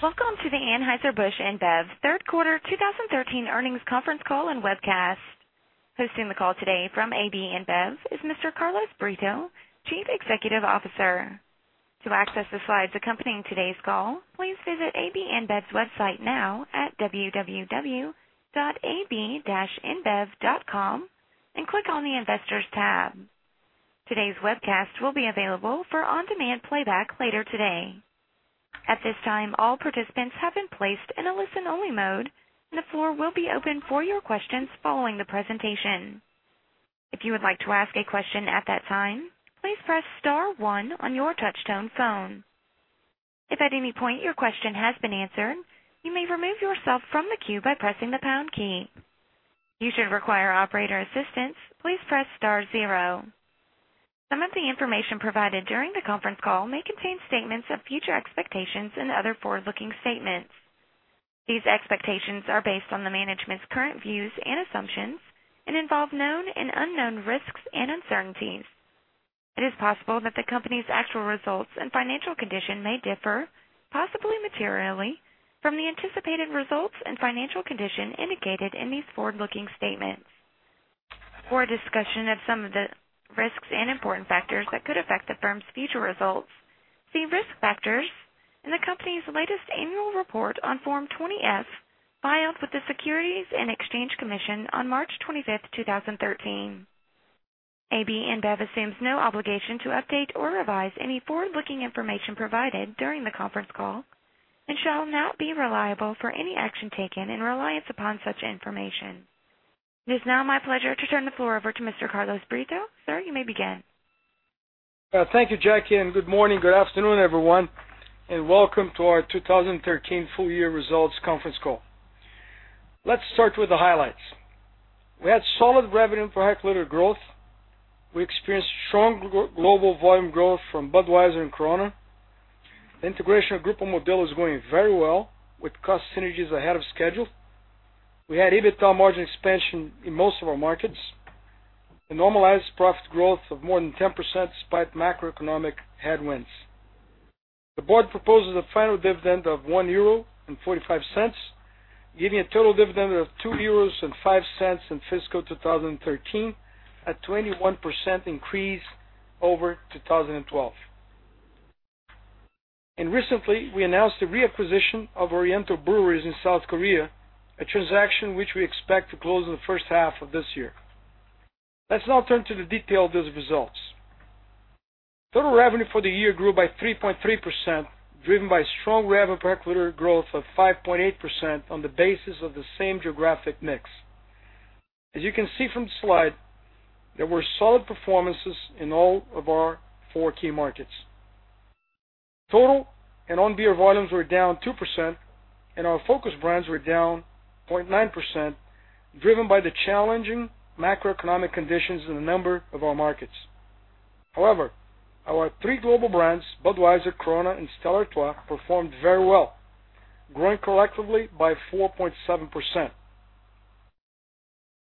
Welcome to the Anheuser-Busch InBev fourth quarter 2013 earnings conference call and webcast. Hosting the call today from Anheuser-Busch InBev is Mr. Carlos Brito, Chief Executive Officer. To access the slides accompanying today's call, please visit Anheuser-Busch InBev's website now at www.ab-inbev.com and click on the Investors tab. Today's webcast will be available for on-demand playback later today. At this time, all participants have been placed in a listen-only mode, and the floor will be open for your questions following the presentation. If you would like to ask a question at that time, please press star one on your touch-tone phone. If at any point your question has been answered, you may remove yourself from the queue by pressing the pound key. If you should require operator assistance, please press star zero. Some of the information provided during the conference call may contain statements of future expectations and other forward-looking statements. These expectations are based on the management's current views and assumptions and involve known and unknown risks and uncertainties. It is possible that the company's actual results and financial condition may differ, possibly materially, from the anticipated results and financial condition indicated in these forward-looking statements. For a discussion of some of the risks and important factors that could affect the firm's future results, see risk factors in the company's latest annual report on Form 20-F filed with the Securities and Exchange Commission on March 25th, 2013. Anheuser-Busch InBev assumes no obligation to update or revise any forward-looking information provided during the conference call and shall not be reliable for any action taken in reliance upon such information. It is now my pleasure to turn the floor over to Mr. Carlos Brito. Sir, you may begin. Thank you, Jackie, and good morning, good afternoon, everyone, and welcome to our 2013 full-year results conference call. Let's start with the highlights. We had solid revenue per hectoliter growth. We experienced strong global volume growth from Budweiser and Corona. The integration of Grupo Modelo is going very well, with cost synergies ahead of schedule. We had EBITDA margin expansion in most of our markets. A normalized profit growth of more than 10% despite macroeconomic headwinds. The board proposes a final dividend of 1.45 euro, giving a total dividend of 2.05 euros in fiscal 2013, a 21% increase over 2012. Recently, we announced the reacquisition of Oriental Breweries in South Korea, a transaction which we expect to close in the first half of this year. Let's now turn to the detail of those results. Total revenue for the year grew by 3.3%, driven by strong revenue per hectoliter growth of 5.8% on the basis of the same geographic mix. As you can see from the slide, there were solid performances in all of our four key markets. Total and non-beer volumes were down 2%, and our focus brands were down 0.9%, driven by the challenging macroeconomic conditions in a number of our markets. However, our three global brands, Budweiser, Corona, and Stella Artois, performed very well, growing collectively by 4.7%.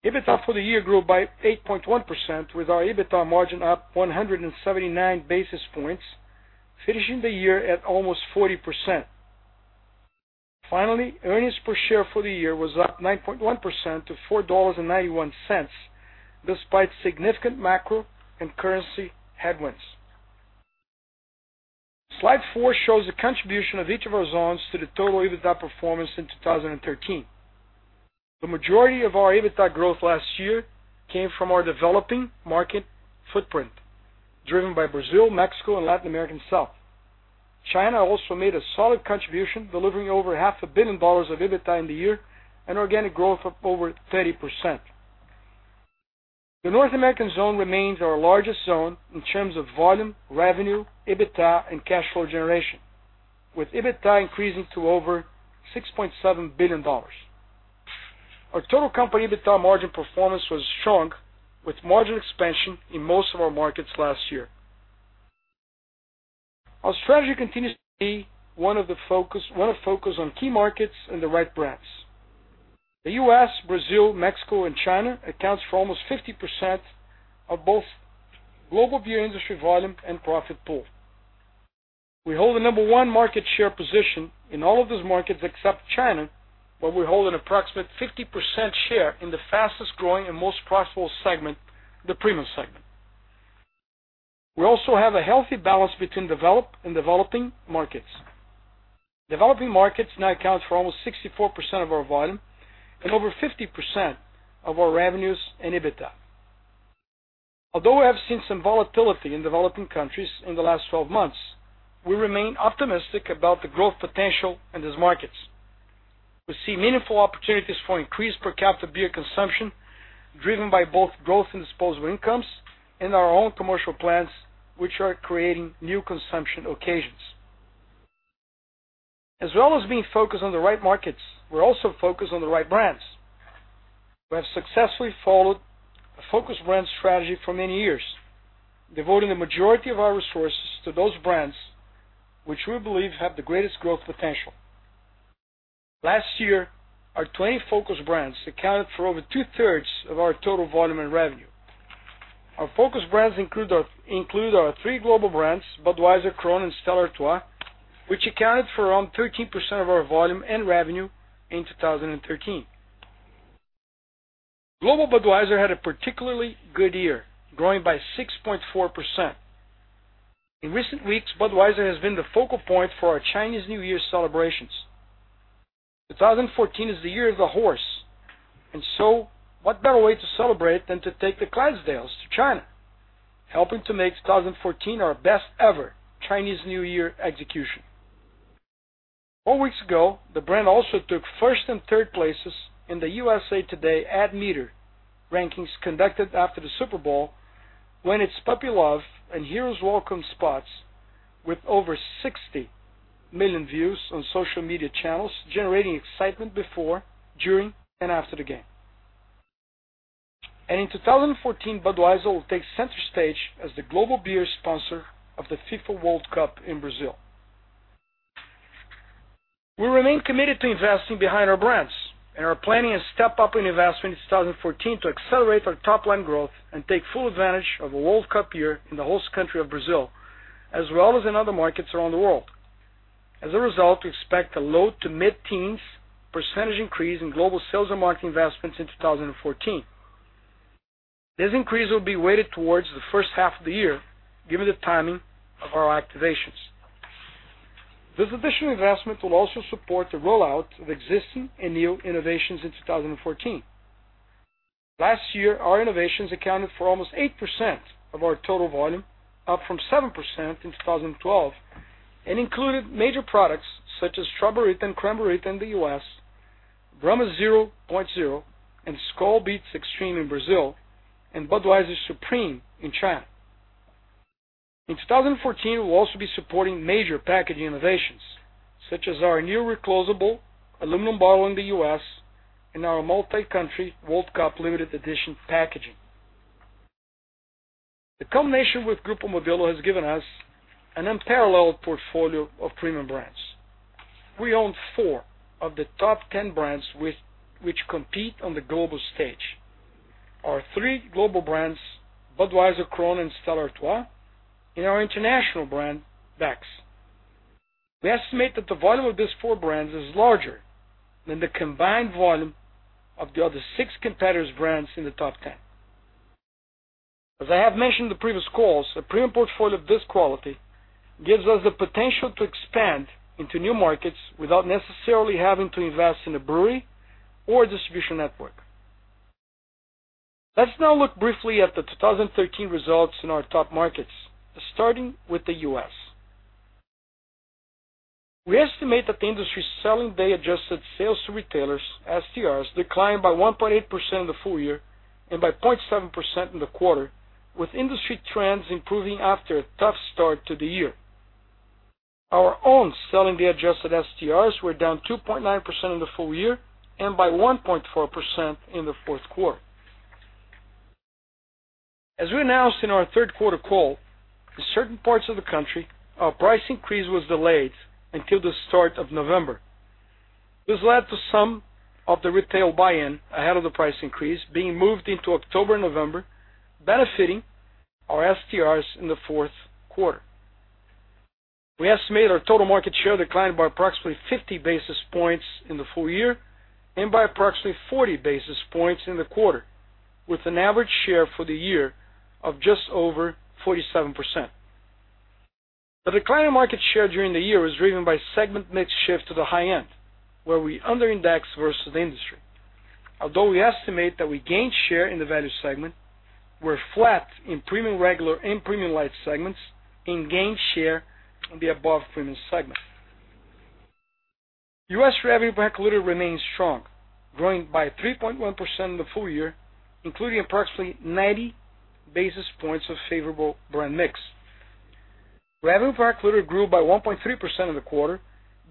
EBITDA for the year grew by 8.1%, with our EBITDA margin up 179 basis points, finishing the year at almost 40%. Finally, earnings per share for the year was up 9.1% to $4.91, despite significant macro and currency headwinds. Slide four shows the contribution of each of our zones to the total EBITDA performance in 2013. The majority of our EBITDA growth last year came from our developing market footprint, driven by Brazil, Mexico, and Latin American South. China also made a solid contribution, delivering over half a billion dollars of EBITDA in the year and organic growth of over 30%. The North American zone remains our largest zone in terms of volume, revenue, EBITDA, and cash flow generation, with EBITDA increasing to over $6.7 billion. Our total company EBITDA margin performance was strong, with margin expansion in most of our markets last year. Our strategy continues to be one of focus on key markets and the right brands. The U.S., Brazil, Mexico, and China accounts for almost 50% of both global beer industry volume and profit pool. We hold the number one market share position in all of those markets except China, where we hold an approximate 50% share in the fastest-growing and most profitable segment, the premium segment. We also have a healthy balance between developed and developing markets. Developing markets now account for almost 64% of our volume and over 50% of our revenues and EBITDA. Although we have seen some volatility in developing countries in the last 12 months, we remain optimistic about the growth potential in these markets. We see meaningful opportunities for increased per capita beer consumption driven by both growth and disposable incomes and our own commercial plans, which are creating new consumption occasions. As well as being focused on the right markets, we're also focused on the right brands. We have successfully followed a focused brand strategy for many years, devoting the majority of our resources to those brands which we believe have the greatest growth potential. Last year, our 20 focus brands accounted for over two-thirds of our total volume and revenue. Our focus brands include our three global brands, Budweiser, Corona, and Stella Artois, which accounted for around 13% of our volume and revenue in 2013. Global Budweiser had a particularly good year, growing by 6.4%. In recent weeks, Budweiser has been the focal point for our Chinese New Year celebrations. 2014 is the year of the horse, and so what better way to celebrate than to take the Clydesdales to China, helping to make 2014 our best ever Chinese New Year execution. Four weeks ago, the brand also took first and third places in the USA TODAY Ad Meter rankings conducted after the Super Bowl, when its Puppy Love and A Hero's Welcome spots with over 60 million views on social media channels, generating excitement before, during, and after the game. In 2014, Budweiser will take center stage as the global beer sponsor of the FIFA World Cup in Brazil. We remain committed to investing behind our brands and are planning a step-up in investment in 2014 to accelerate our top line growth and take full advantage of the World Cup year in the host country of Brazil, as well as in other markets around the world. As a result, we expect a low to mid-teens % increase in global sales and marketing investments in 2014. This increase will be weighted towards the first half of the year, given the timing of our activations. This additional investment will also support the rollout of existing and new innovations in 2014. Last year, our innovations accounted for almost 8% of our total volume, up from 7% in 2012, and included major products such as Straw-Ber-Rita and Cran-Ber-Rita in the U.S., Brahma 0.0% and Skol Beats Extreme in Brazil, and Budweiser Supreme in China. In 2014, we'll also be supporting major packaging innovations, such as our new reclosable aluminum bottle in the U.S. and our multi-country World Cup limited edition packaging. The combination with Grupo Modelo has given us an unparalleled portfolio of premium brands. We own four of the top 10 brands which compete on the global stage. Our three global brands, Budweiser, Corona, and Stella Artois, and our international brand, Beck's. We estimate that the volume of these four brands is larger than the combined volume of the other six competitors' brands in the top 10. As I have mentioned in the previous calls, a premium portfolio of this quality gives us the potential to expand into new markets without necessarily having to invest in a brewery or a distribution network. Let's now look briefly at the 2013 results in our top markets, starting with the U.S. We estimate that the industry's Selling-Day adjusted Sales-to-Retailers, SDRs, declined by 1.8% in the full year and by 0.7% in the quarter, with industry trends improving after a tough start to the year. Our own Selling-Day adjusted SDRs were down 2.9% in the full year and by 1.4% in the fourth quarter. As we announced in our third quarter call, in certain parts of the country, our price increase was delayed until the start of November. This led to some of the retail buy-in ahead of the price increase being moved into October, November, benefiting our SDRs in the fourth quarter. We estimate our total market share declined by approximately 50 basis points in the full year and by approximately 40 basis points in the quarter, with an average share for the year of just over 47%. The decline in market share during the year was driven by segment mix shift to the high end, where we under-indexed versus the industry. Although we estimate that we gained share in the value segment, we're flat in premium regular and premium light segments and gained share in the above premium segment. U.S. revenue per hectoliter remains strong, growing by 3.1% in the full year, including approximately 90 basis points of favorable brand mix. Revenue per hectoliter grew by 1.3% in the quarter,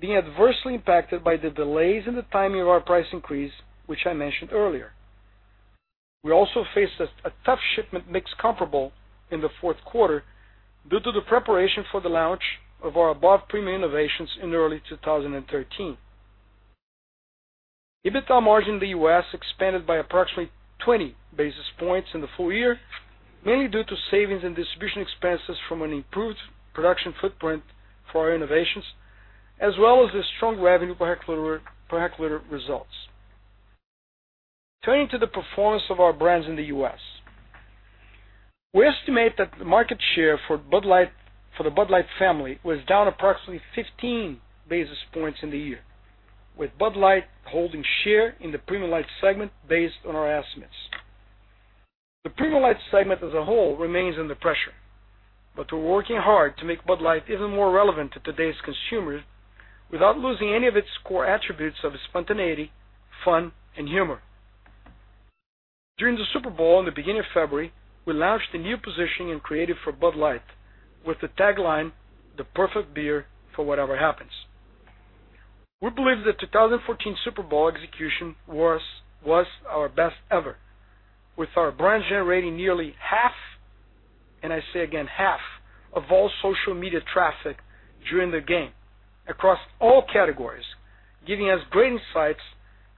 being adversely impacted by the delays in the timing of our price increase, which I mentioned earlier. We also faced a tough shipment mix comparable in the fourth quarter due to the preparation for the launch of our above premium innovations in early 2013. EBITDA margin in the U.S. expanded by approximately 20 basis points in the full year, mainly due to savings in distribution expenses from an improved production footprint for our innovations, as well as the strong revenue per hectoliter results. Turning to the performance of our brands in the U.S. We estimate that the market share for the Bud Light family was down approximately 15 basis points in the year, with Bud Light holding share in the premium light segment based on our estimates. The premium light segment as a whole remains under pressure, but we're working hard to make Bud Light even more relevant to today's consumers without losing any of its core attributes of spontaneity, fun, and humor. During the Super Bowl in the beginning of February, we launched a new position in creative for Bud Light with the tagline, "The perfect beer for whatever happens." We believe the 2014 Super Bowl execution was our best ever, with our brand generating nearly half I say again, half of all social media traffic during the game across all categories, giving us great insights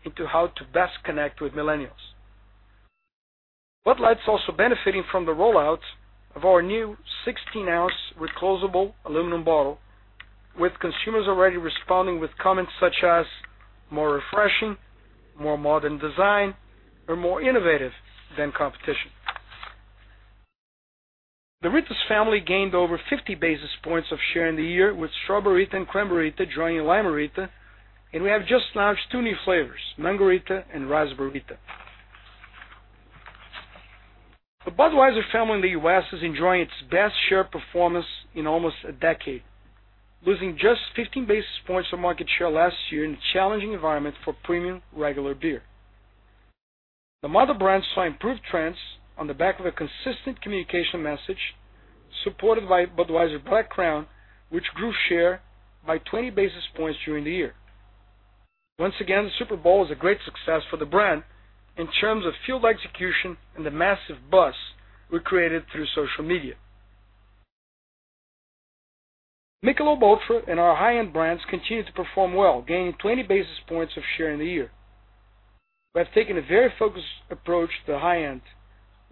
into how to best connect with millennials. Bud Light's also benefiting from the rollout of our new 16-ounce reclosable aluminum bottle, with consumers already responding with comments such as more refreshing, more modern design, or more innovative than competition. The Rita's family gained over 50 basis points of share in the year with Straw-Ber-Rita and Cran-Ber-Rita joining Lime-A-Rita, and we have just launched two new flavors, Mang-O-Rita and Raz-Ber-Rita. The Budweiser family in the U.S. is enjoying its best share performance in almost a decade, losing just 15 basis points of market share last year in a challenging environment for premium regular beer. The mother brand saw improved trends on the back of a consistent communication message supported by Budweiser Black Crown, which grew share by 20 basis points during the year. Once again, the Super Bowl is a great success for the brand in terms of field execution and the massive buzz we created through social media. Michelob Ultra and our high-end brands continue to perform well, gaining 20 basis points of share in the year. We have taken a very focused approach to the high end,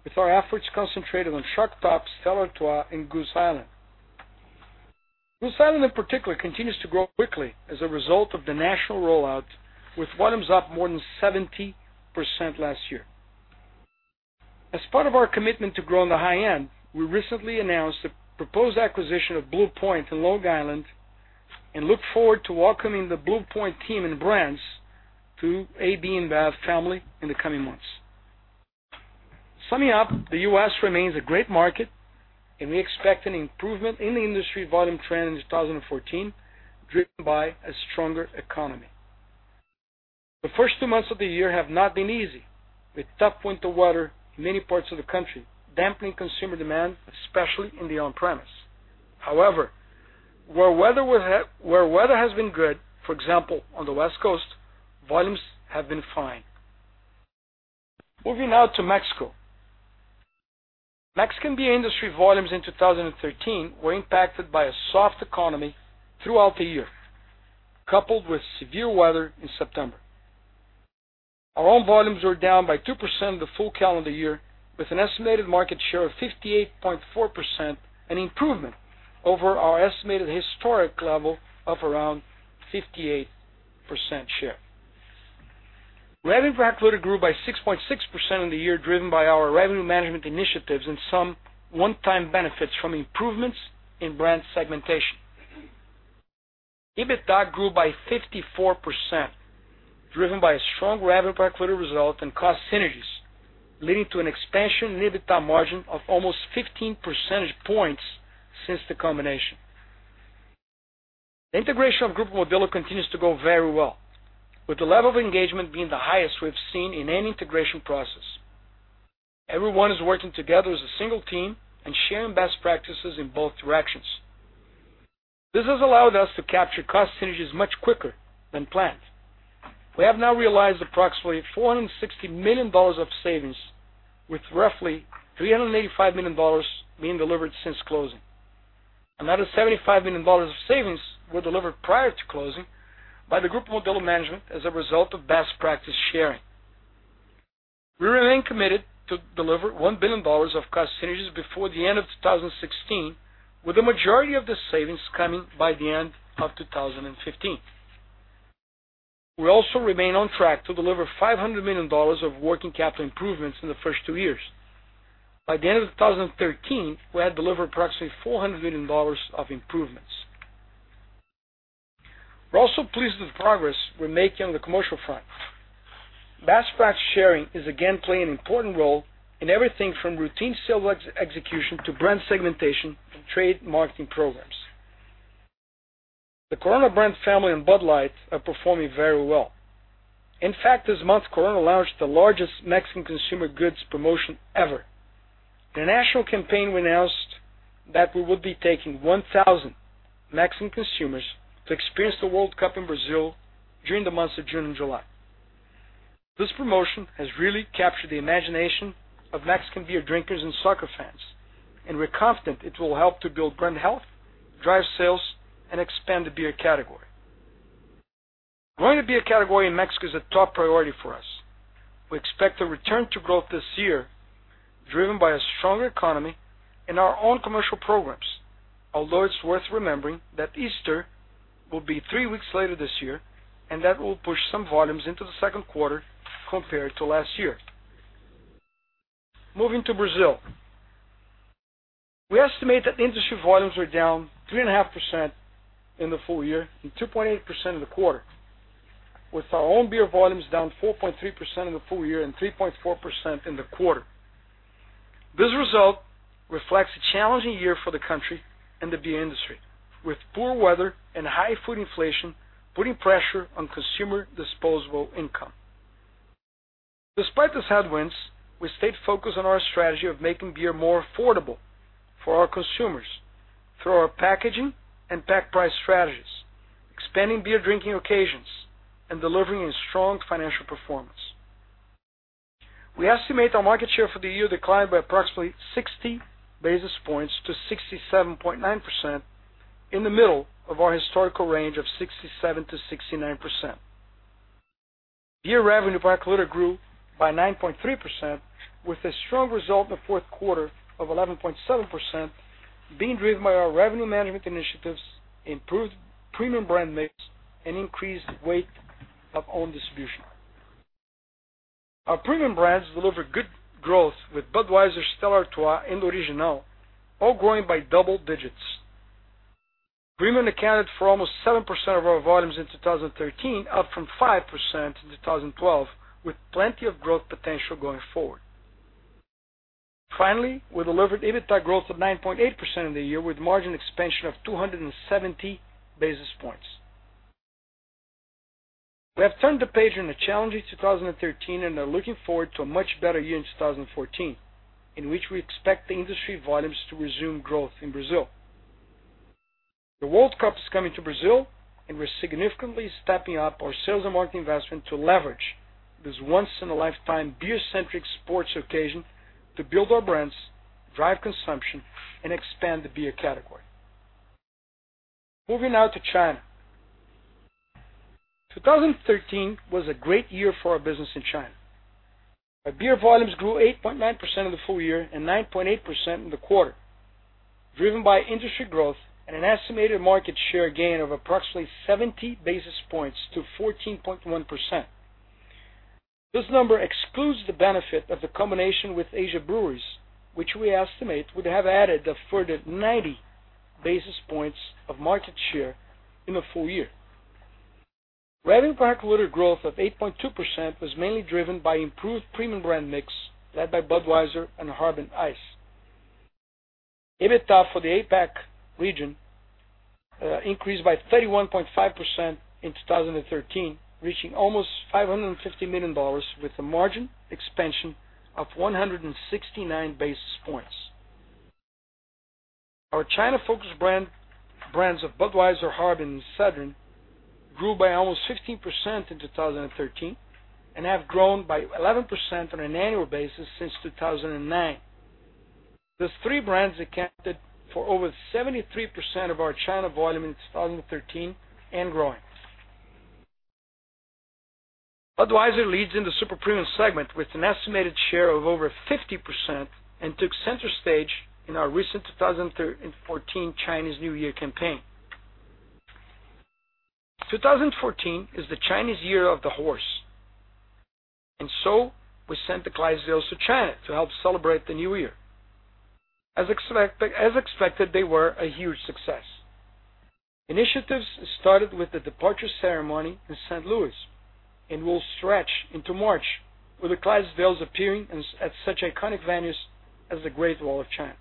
with our efforts concentrated on Shock Top, Stella Artois, and Goose Island. Goose Island, in particular, continues to grow quickly as a result of the national rollout, with volumes up more than 70% last year. As part of our commitment to grow in the high end, we recently announced the proposed acquisition of Blue Point in Long Island and look forward to welcoming the Blue Point team and brands to AB InBev family in the coming months. Summing up, the U.S. remains a great market, and we expect an improvement in the industry volume trend in 2014, driven by a stronger economy. The first two months of the year have not been easy, with tough winter weather in many parts of the country, dampening consumer demand, especially in the on-premise. However, where weather has been good, for example, on the West Coast, volumes have been fine. Moving now to Mexico. Mexican beer industry volumes in 2013 were impacted by a soft economy throughout the year, coupled with severe weather in September. Our own volumes were down by 2% in the full calendar year with an estimated market share of 58.4%, an improvement over our estimated historic level of around 58% share. Revenue per hectoliter grew by 6.6% in the year, driven by our revenue management initiatives and some one-time benefits from improvements in brand segmentation. EBITDA grew by 54%, driven by a strong revenue per hectoliter result and cost synergies, leading to an expansion in EBITDA margin of almost 15 percentage points since the combination. The integration of Grupo Modelo continues to go very well, with the level of engagement being the highest we have seen in any integration process. Everyone is working together as a single team and sharing best practices in both directions. This has allowed us to capture cost synergies much quicker than planned. We have now realized approximately $460 million of savings, with roughly $385 million being delivered since closing. Another $75 million of savings were delivered prior to closing by the Grupo Modelo management as a result of best practice sharing. We remain committed to deliver $1 billion of cost synergies before the end of 2016, with the majority of the savings coming by the end of 2015. We also remain on track to deliver $500 million of working capital improvements in the first two years. By the end of 2013, we had delivered approximately $400 million of improvements. We're also pleased with the progress we're making on the commercial front. Best practice sharing is again playing an important role in everything from routine sales execution to brand segmentation and trade marketing programs. The Corona brands family and Bud Light are performing very well. In fact, this month, Corona launched the largest Mexican consumer goods promotion ever. The national campaign we announced that we would be taking 1,000 Mexican consumers to experience the World Cup in Brazil during the months of June and July. This promotion has really captured the imagination of Mexican beer drinkers and soccer fans, and we're confident it will help to build brand health, drive sales, and expand the beer category. Growing the beer category in Mexico is a top priority for us. We expect a return to growth this year, driven by a stronger economy and our own commercial programs. Although it's worth remembering that Easter will be three weeks later this year, and that will push some volumes into the second quarter compared to last year. Moving to Brazil. We estimate that industry volumes were down 3.5% in the full year and 2.8% in the quarter, with our own beer volumes down 4.3% in the full year and 3.4% in the quarter. This result reflects a challenging year for the country and the beer industry, with poor weather and high food inflation putting pressure on consumer disposable income. Despite these headwinds, we stayed focused on our strategy of making beer more affordable for our consumers through our packaging and pack price strategies, expanding beer drinking occasions, and delivering a strong financial performance. We estimate our market share for the year declined by approximately 60 basis points to 67.9% in the middle of our historical range of 67%-69%. Beer revenue per hectoliter grew by 9.3%, with a strong result in the fourth quarter of 11.7%, being driven by our revenue management initiatives, improved premium brand mix, and increased weight of own distribution. Our premium brands delivered good growth with Budweiser, Stella Artois, and Original all growing by double digits. Premium accounted for almost 7% of our volumes in 2013, up from 5% in 2012, with plenty of growth potential going forward. Finally, we delivered EBITDA growth of 9.8% in the year, with margin expansion of 270 basis points. We have turned the page on a challenging 2013 and are looking forward to a much better year in 2014, in which we expect the industry volumes to resume growth in Brazil. The World Cup is coming to Brazil, and we're significantly stepping up our sales and marketing investment to leverage this once-in-a-lifetime beer-centric sports occasion to build our brands, drive consumption, and expand the beer category. Moving now to China. 2013 was a great year for our business in China. Our beer volumes grew 8.9% in the full year and 9.8% in the quarter, driven by industry growth and an estimated market share gain of approximately 70 basis points to 14.1%. This number excludes the benefit of the combination with Asia Brewers, which we estimate would have added a further 90 basis points of market share in the full year. Revenue per hectoliter growth of 8.2% was mainly driven by improved premium brand mix, led by Budweiser and Harbin Ice. EBITDA for the APAC region increased by 31.5% in 2013, reaching almost $550 million, with a margin expansion of 169 basis points. Our China-focused brands of Budweiser, Harbin, and Sedrin grew by almost 15% in 2013 and have grown by 11% on an annual basis since 2009. Those three brands accounted for over 73% of our China volume in 2013 and growing. Budweiser leads in the super premium segment with an estimated share of over 50% and took center stage in our recent 2014 Chinese New Year campaign. 2014 is the Chinese Year of the Horse. We sent the Clydesdales to China to help celebrate the new year. As expected, they were a huge success. Initiatives started with the departure ceremony in St. Louis and will stretch into March, with the Clydesdales appearing at such iconic venues as the Great Wall of China.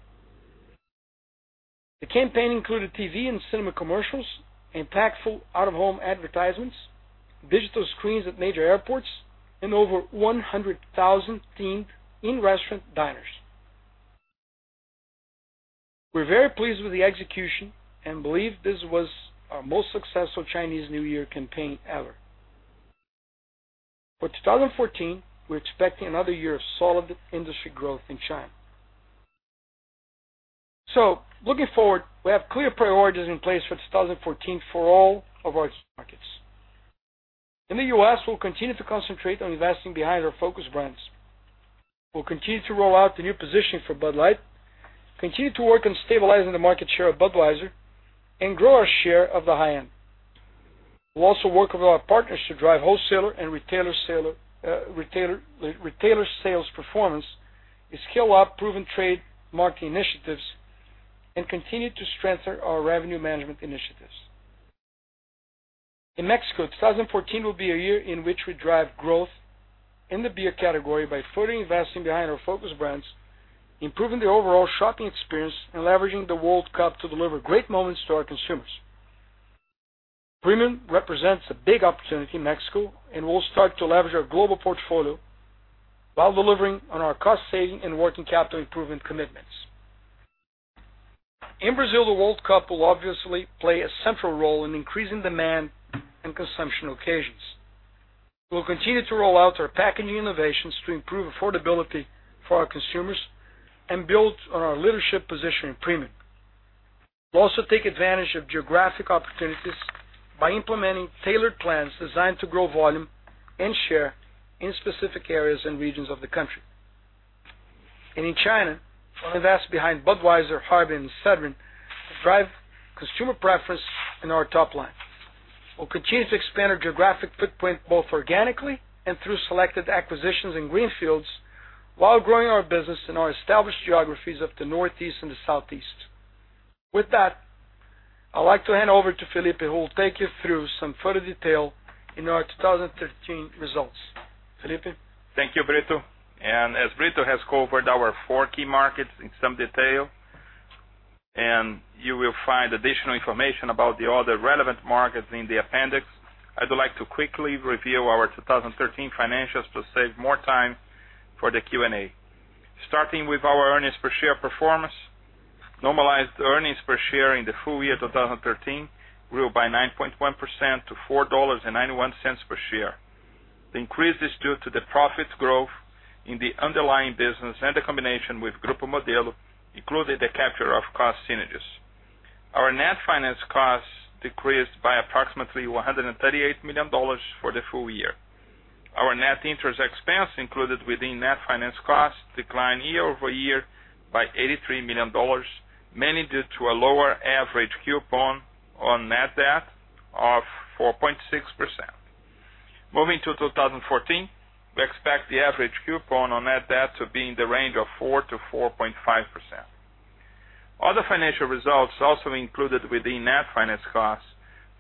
The campaign included TV and cinema commercials, impactful out-of-home advertisements, digital screens at major airports, and over 100,000 themed in-restaurant diners. We're very pleased with the execution and believe this was our most successful Chinese New Year campaign ever. For 2014, we're expecting another year of solid industry growth in China. Looking forward, we have clear priorities in place for 2014 for all of our markets. In the U.S., we'll continue to concentrate on investing behind our focus brands. We'll continue to roll out the new positioning for Bud Light, continue to work on stabilizing the market share of Budweiser, and grow our share of the high end. We'll also work with our partners to drive wholesaler and retailer sales performance, scale out proven trade marketing initiatives, and continue to strengthen our revenue management initiatives. In Mexico, 2014 will be a year in which we drive growth in the beer category by further investing behind our focus brands, improving the overall shopping experience, and leveraging the World Cup to deliver great moments to our consumers. Premium represents a big opportunity in Mexico, and we'll start to leverage our global portfolio while delivering on our cost-saving and working capital improvement commitments. In Brazil, the World Cup will obviously play a central role in increasing demand and consumption occasions. We'll continue to roll out our packaging innovations to improve affordability for our consumers and build on our leadership position in premium. We'll also take advantage of geographic opportunities by implementing tailored plans designed to grow volume and share in specific areas and regions of the country. In China, we'll invest behind Budweiser, Harbin, and Sedrin to drive consumer preference in our top line. We'll continue to expand our geographic footprint, both organically and through selected acquisitions in greenfields, while growing our business in our established geographies of the Northeast and the Southeast. With that, I'd like to hand over to Felipe, who will take you through some further detail in our 2013 results. Felipe? Thank you, Brito. As Brito has covered our four key markets in some detail, and you will find additional information about the other relevant markets in the appendix, I would like to quickly review our 2013 financials to save more time for the Q&A. Starting with our earnings per share performance. Normalized earnings per share in the full year 2013 grew by 9.1% to $4.91 per share. The increase is due to the profit growth in the underlying business and the combination with Grupo Modelo, including the capture of cost synergies. Our net finance costs decreased by approximately $138 million for the full year. Our net interest expense included within net finance costs declined year-over-year by $83 million, mainly due to a lower average coupon on net debt of 4.6%. Moving to 2014, we expect the average coupon on net debt to be in the range of 4%-4.5%. Other financial results also included within net finance costs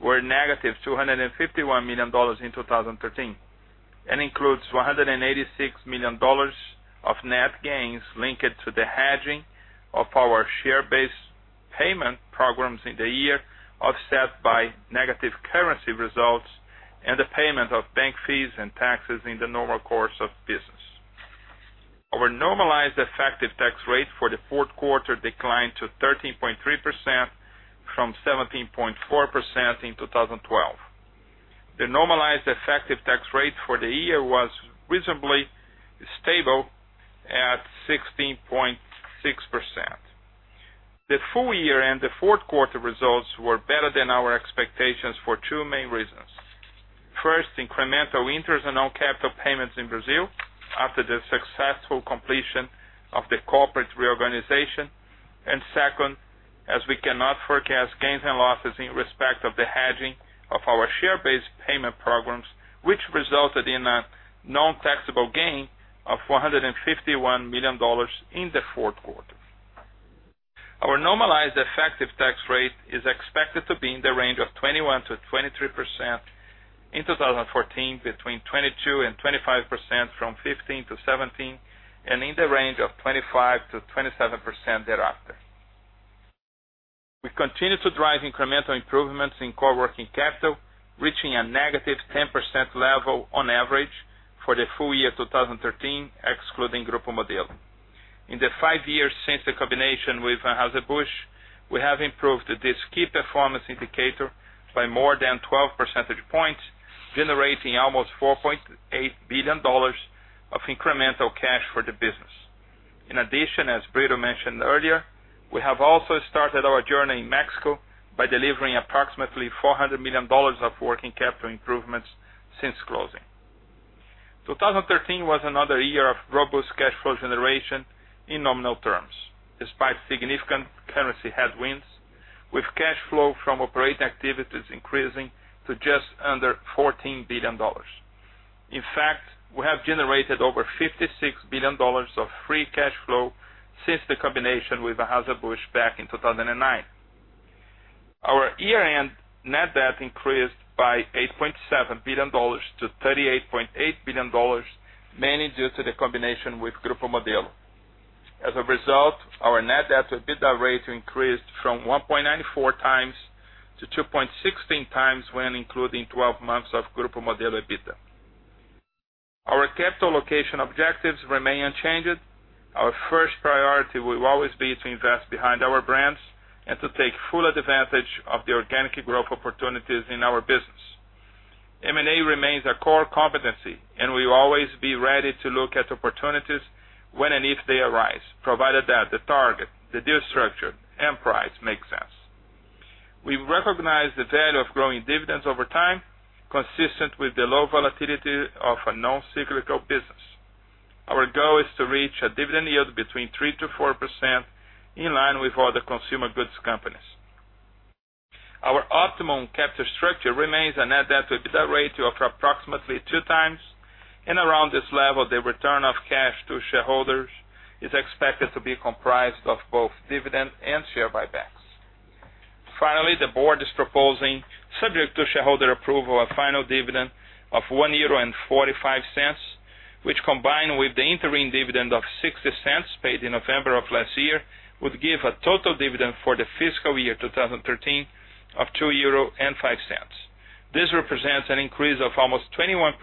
were negative $251 million in 2013, includes $186 million of net gains linked to the hedging of our share-based payment programs in the year, offset by negative currency results and the payment of bank fees and taxes in the normal course of business. Our normalized effective tax rate for the fourth quarter declined to 13.3% from 17.4% in 2012. The normalized effective tax rate for the year was reasonably stable at 16.6%. The full year and the fourth quarter results were better than our expectations for two main reasons. First, incremental interest and non-capital payments in Brazil after the successful completion of the corporate reorganization. Second, as we cannot forecast gains and losses in respect of the hedging of our share-based payment programs, which resulted in a non-taxable gain of $451 million in the fourth quarter. Our normalized effective tax rate is expected to be in the range of 21%-23% in 2014, between 22% and 25% from 2015 to 2017, and in the range of 25%-27% thereafter. We continue to drive incremental improvements in core working capital, reaching a negative 10% level on average for the full year 2013, excluding Grupo Modelo. In the five years since the combination with Anheuser-Busch, we have improved this key performance indicator by more than 12 percentage points, generating almost $4.8 billion of incremental cash for the business. In addition, as Brito mentioned earlier, we have also started our journey in Mexico by delivering approximately $400 million of working capital improvements since closing. 2013 was another year of robust cash flow generation in nominal terms, despite significant currency headwinds, with cash flow from operating activities increasing to just under $14 billion. In fact, we have generated over $56 billion of free cash flow since the combination with Anheuser-Busch back in 2009. Our year-end net debt increased by $8.7 billion to $38.8 billion, mainly due to the combination with Grupo Modelo. As a result, our net debt-to-EBITDA ratio increased from 1.94 times to 2.16 times when including 12 months of Grupo Modelo EBITDA. Our capital allocation objectives remain unchanged. Our first priority will always be to invest behind our brands and to take full advantage of the organic growth opportunities in our business. M&A remains a core competency, and we will always be ready to look at opportunities when and if they arise, provided that the target, the deal structure, and price make sense. We recognize the value of growing dividends over time, consistent with the low volatility of a non-cyclical business. Our goal is to reach a dividend yield between 3%-4%, in line with other consumer goods companies. Our optimum capital structure remains a net debt-to-EBITDA ratio of approximately two times. Around this level, the return of cash to shareholders is expected to be comprised of both dividends and share buybacks. Finally, the Board is proposing, subject to shareholder approval, a final dividend of €1.45, which combined with the interim dividend of €0.60 paid in November of last year, would give a total dividend for the fiscal year 2013 of €2.05. This represents an increase of almost 21%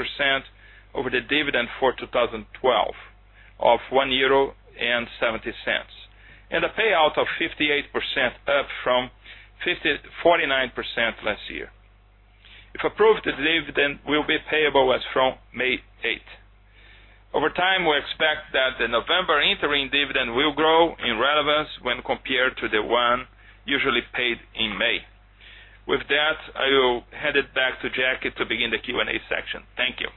over the dividend for 2012 of €1.70, and a payout of 58%, up from 49% last year. If approved, the dividend will be payable as from May 8th. Over time, we expect that the November interim dividend will grow in relevance when compared to the one usually paid in May. That, I will hand it back to Jackie to begin the Q&A section. Thank you.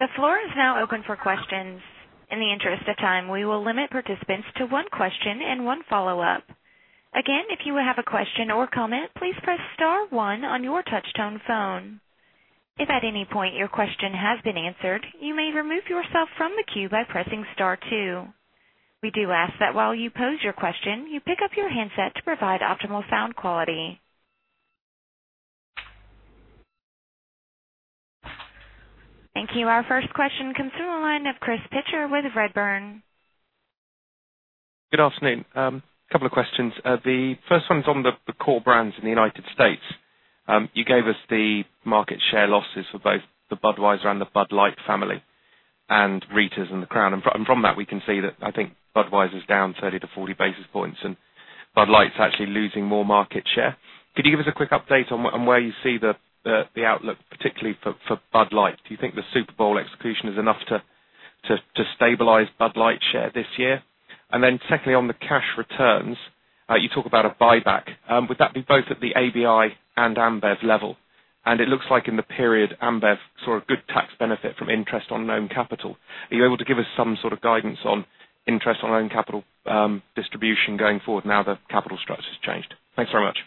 The floor is now open for questions. In the interest of time, we will limit participants to one question and one follow-up. Again, if you have a question or comment, please press *1 on your touch-tone phone. If at any point your question has been answered, you may remove yourself from the queue by pressing *2. We do ask that while you pose your question, you pick up your handset to provide optimal sound quality. Thank you. Our first question comes from the line of Chris Pitcher with Redburn. Good afternoon. A couple of questions. The first one is on the core brands in the United States. You gave us the market share losses for both the Budweiser and the Bud Light family, Ritas and the Crown. From that, we can see that, I think Budweiser is down 30 to 40 basis points, and Bud Light's actually losing more market share. Could you give us a quick update on where you see the outlook, particularly for Bud Light? Do you think the Super Bowl execution is enough to stabilize Bud Light share this year? Secondly, on the cash returns, you talk about a buyback. Would that be both at the ABI and AmBev level? It looks like in the period, AmBev saw a good tax benefit from interest on loan capital. Are you able to give us some sort of guidance on interest on loan capital distribution going forward now that capital structure's changed? Thanks very much.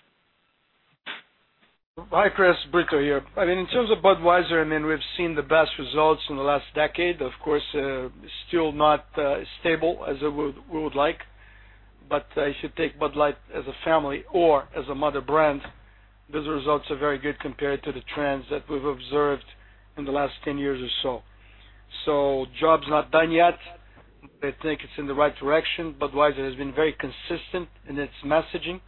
Hi, Chris. Brito here. In terms of Budweiser, we've seen the best results in the last decade. Of course, still not as stable as we would like. If you take Bud Light as a family or as a mother brand, those results are very good compared to the trends that we've observed in the last 10 years or so. The job's not done yet, but I think it's in the right direction. Budweiser has been very consistent in its messaging.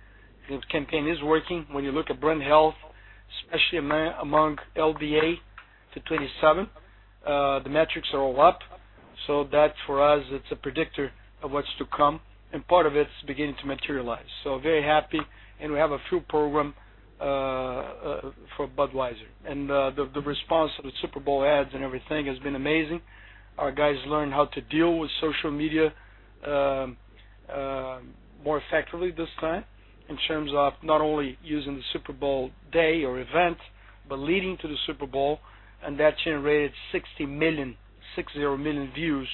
The campaign is working. When you look at brand health, especially among LDA to 27, the metrics are all up. That, for us, it's a predictor of what's to come, and part of it's beginning to materialize. Very happy, we have a few program for Budweiser. The response of the Super Bowl ads and everything has been amazing. Our guys learned how to deal with social media more effectively this time, in terms of not only using the Super Bowl day or event, but leading to the Super Bowl, and that generated 60 million views,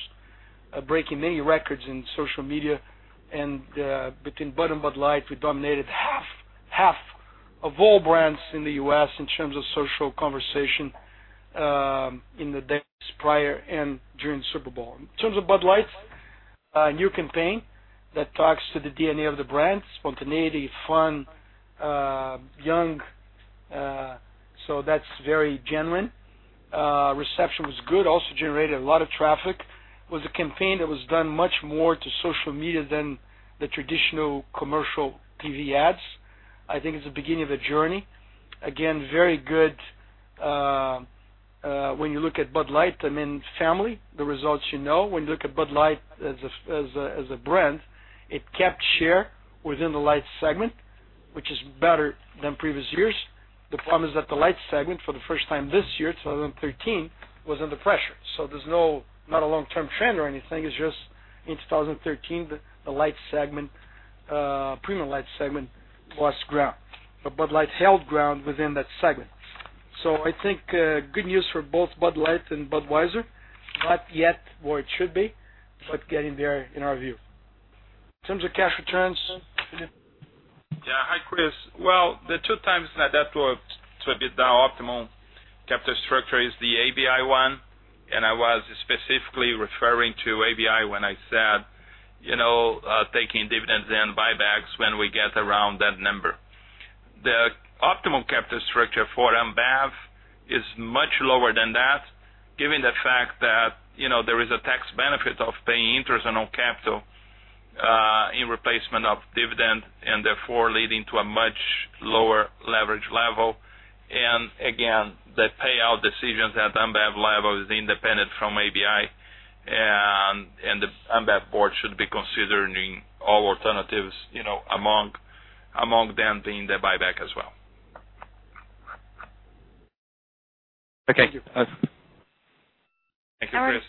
breaking many records in social media. Between Bud and Bud Light, we dominated half of all brands in the U.S. in terms of social conversation in the days prior and during Super Bowl. In terms of Bud Light, a new campaign that talks to the DNA of the brand, spontaneity, fun, young. That's very genuine. Reception was good, also generated a lot of traffic. Was a campaign that was done much more to social media than the traditional commercial TV ads. I think it's the beginning of a journey. Again, very good. When you look at Bud Light, family, the results you know. When you look at Bud Light as a brand, it kept share within the light segment, which is better than previous years. The problem is that the light segment for the first time this year, 2013, was under pressure. There's not a long-term trend or anything, it's just in 2013, the light segment, premium light segment, lost ground. But Bud Light held ground within that segment. I think good news for both Bud Light and Budweiser. Not yet where it should be, but getting there in our view. In terms of cash returns, Felipe? Yeah. Hi, Chris. Well, the 2x net debt to EBITDA the optimal capital structure is the ABI one, and I was specifically referring to ABI when I said, taking dividends and buybacks when we get around that number. The optimal capital structure for AmBev is much lower than that, given the fact that there is a tax benefit of paying interest on own capital in replacement of dividend, and therefore leading to a much lower leverage level. Again, the payout decisions at AmBev level is independent from ABI, and the AmBev board should be considering all alternatives, among them being the buyback as well. Okay. Thank you, Chris.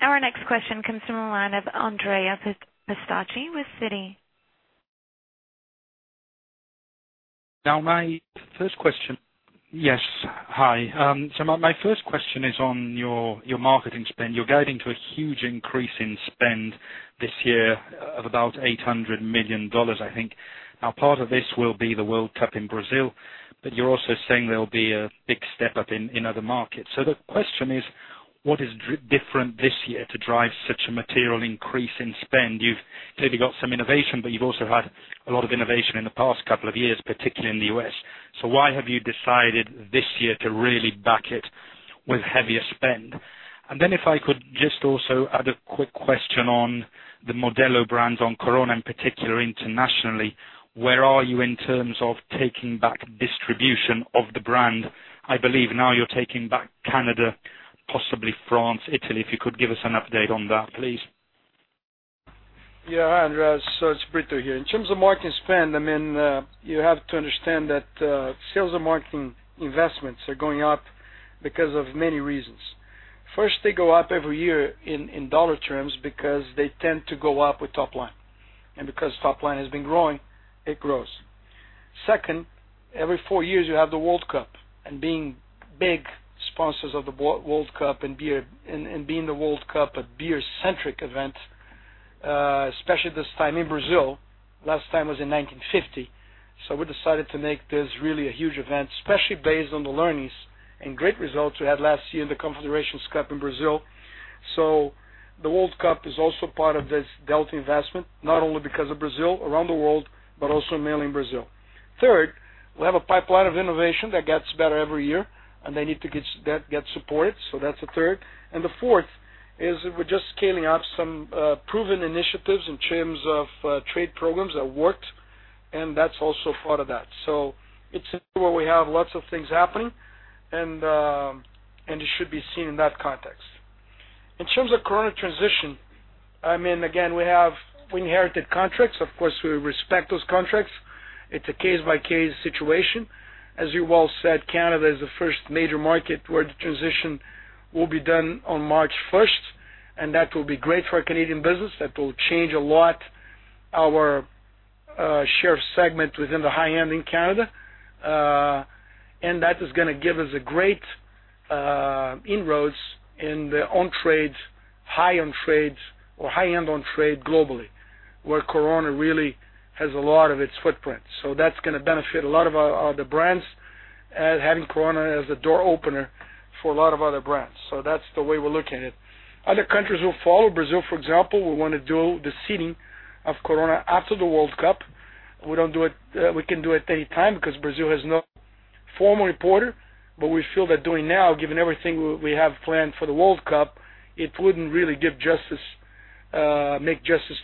Our next question comes from the line of Andrea Pistacchi with Citi. Yes, hi. My first question is on your marketing spend. You're guiding to a huge increase in spend this year of about EUR 800 million, I think. Part of this will be the World Cup in Brazil, but you're also saying there'll be a big step up in other markets. The question is, what is different this year to drive such a material increase in spend? You've clearly got some innovation, but you've also had a lot of innovation in the past couple of years, particularly in the U.S. Why have you decided this year to really back it with heavier spend? If I could just also add a quick question on the Modelo brand, on Corona in particular internationally, where are you in terms of taking back distribution of the brand? I believe now you're taking back Canada, possibly France, Italy. If you could give us an update on that, please. Yeah. Hi, Andrea. It's Brito here. In terms of marketing spend, you have to understand that sales and marketing investments are going up because of many reasons. First, they go up every year in dollar terms because they tend to go up with top line. Because top line has been growing, it grows. Second, every four years, you have the World Cup, and being big sponsors of the World Cup and being the World Cup a beer-centric event, especially this time in Brazil, last time was in 1950. We decided to make this really a huge event, especially based on the learnings and great results we had last year in the Confederations Cup in Brazil. The World Cup is also part of this delta investment, not only because of Brazil, around the world, but also mainly in Brazil. Third, we have a pipeline of innovation that gets better every year, and they need to get supported. That's the third. The fourth is we're just scaling up some proven initiatives in terms of trade programs that worked, and that's also part of that. It's an area where we have lots of things happening, and it should be seen in that context. In terms of Corona transition, again, we inherited contracts. Of course, we respect those contracts. It's a case-by-case situation. As you well said, Canada is the first major market where the transition will be done on March 1st, and that will be great for our Canadian business. That will change a lot our share segment within the high-end in Canada. That is going to give us great inroads in the on-trade, high-end trades, or high-end on-trade globally, where Corona really has a lot of its footprint. That's going to benefit a lot of the brands, having Corona as a door opener for a lot of other brands. That's the way we're looking at it. Other countries will follow. Brazil, for example, we want to do the seeding of Corona after the World Cup. We can do it any time because Brazil has no formal importer, but we feel that doing now, given everything we have planned for the World Cup, it wouldn't really make justice to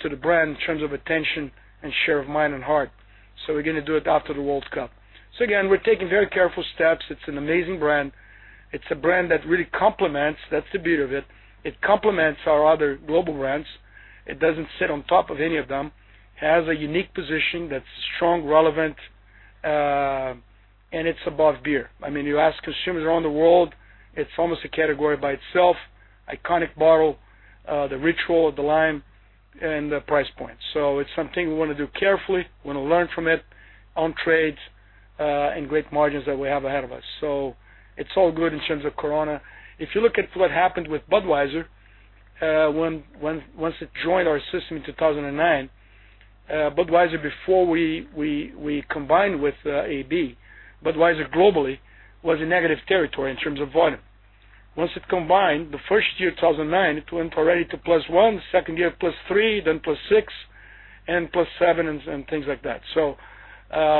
the brand in terms of attention and share of mind and heart. We're going to do it after the World Cup. Again, we're taking very careful steps. It's an amazing brand. It's a brand that really complements, that's the beauty of it. It complements our other global brands. It doesn't sit on top of any of them. It has a unique position that's strong, relevant, and it's above beer. You ask consumers around the world, it's almost a category by itself. Iconic bottle, the ritual of the lime, and the price point. It's something we want to do carefully. We want to learn from it on-trade, and great margins that we have ahead of us. It's all good in terms of Corona. If you look at what happened with Budweiser, once it joined our system in 2009, Budweiser, before we combined with AB, Budweiser globally was in negative territory in terms of volume. Once it combined, the first year, 2009, it went already to +1%, second year +3%, then +6%, and +7% and things like that.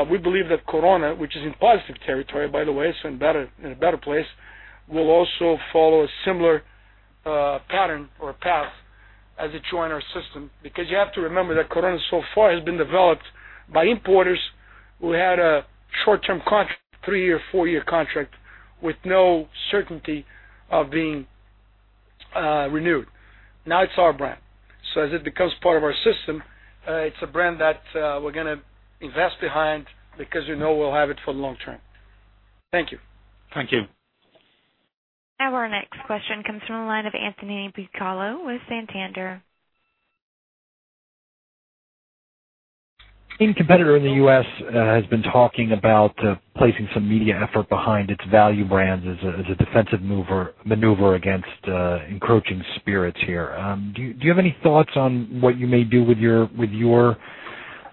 We believe that Corona, which is in positive territory, by the way, it's in a better place, will also follow a similar pattern or path as it joined our system. Because you have to remember that Corona so far has been developed by importers who had a short-term contract, three-year, four-year contract, with no certainty of being renewed. Now it's our brand. As it becomes part of our system, it's a brand that we're going to invest behind because we know we'll have it for the long term. Thank you. Thank you. Our next question comes from the line of Anthony Bucalo with Santander. A competitor in the U.S. has been talking about placing some media effort behind its value brands as a defensive maneuver against encroaching spirits here. Do you have any thoughts on what you may do with your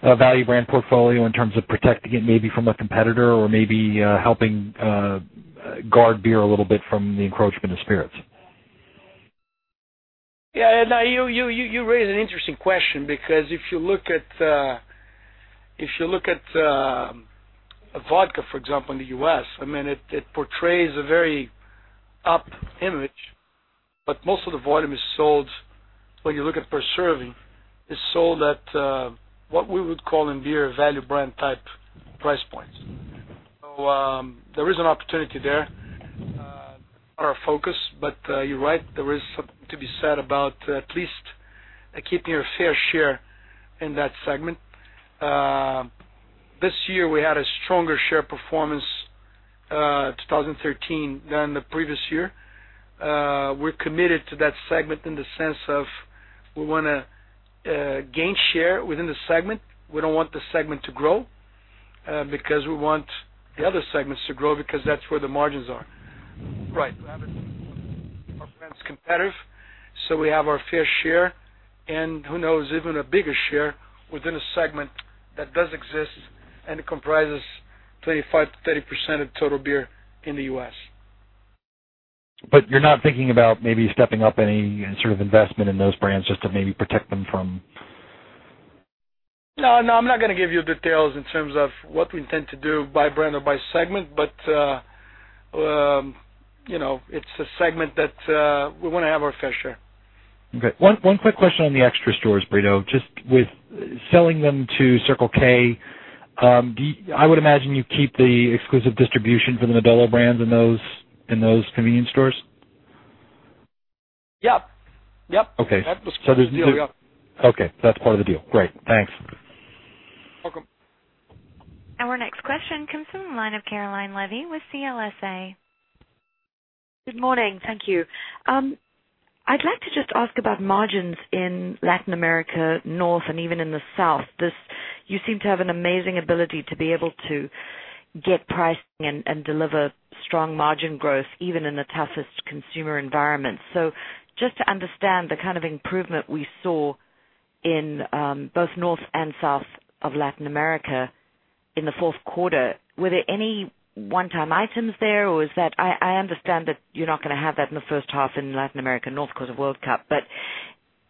value brand portfolio in terms of protecting it maybe from a competitor or maybe helping guard beer a little bit from the encroachment of spirits? Yeah, you raise an interesting question because if you look at vodka, for example, in the U.S., it portrays a very up image, but most of the volume is sold, when you look at per serving, is sold at what we would call in beer a value brand type price point. There is an opportunity there that's not our focus. You're right, there is something to be said about at least keeping your fair share in that segment. This year, we had a stronger share performance, 2013, than the previous year. We're committed to that segment in the sense of we want to gain share within the segment. We don't want the segment to grow because we want the other segments to grow because that's where the margins are. Right. We have our brands competitive, so we have our fair share, and who knows, even a bigger share within a segment that does exist and comprises 25%-30% of total beer in the U.S. You're not thinking about maybe stepping up any sort of investment in those brands just to maybe protect them from? No, I'm not going to give you details in terms of what we intend to do by brand or by segment, but it's a segment that we want to have our fair share. Okay. One quick question on the Extra stores, Brito. Just with selling them to Circle K, I would imagine you keep the exclusive distribution for the Modelo brands in those convenience stores? Yep. Okay. That was part of the deal, yep. Okay, that's part of the deal. Great. Thanks. Welcome. Our next question comes from the line of Caroline Levy with CLSA. Good morning. Thank you. I'd like to just ask about margins in Latin America North and even in the South. You seem to have an amazing ability to be able to get pricing and deliver strong margin growth even in the toughest consumer environments. Just to understand the kind of improvement we saw in both North and South of Latin America in the fourth quarter, were there any one-time items there, or is that. I understand that you're not going to have that in the first half in Latin America North because of World Cup.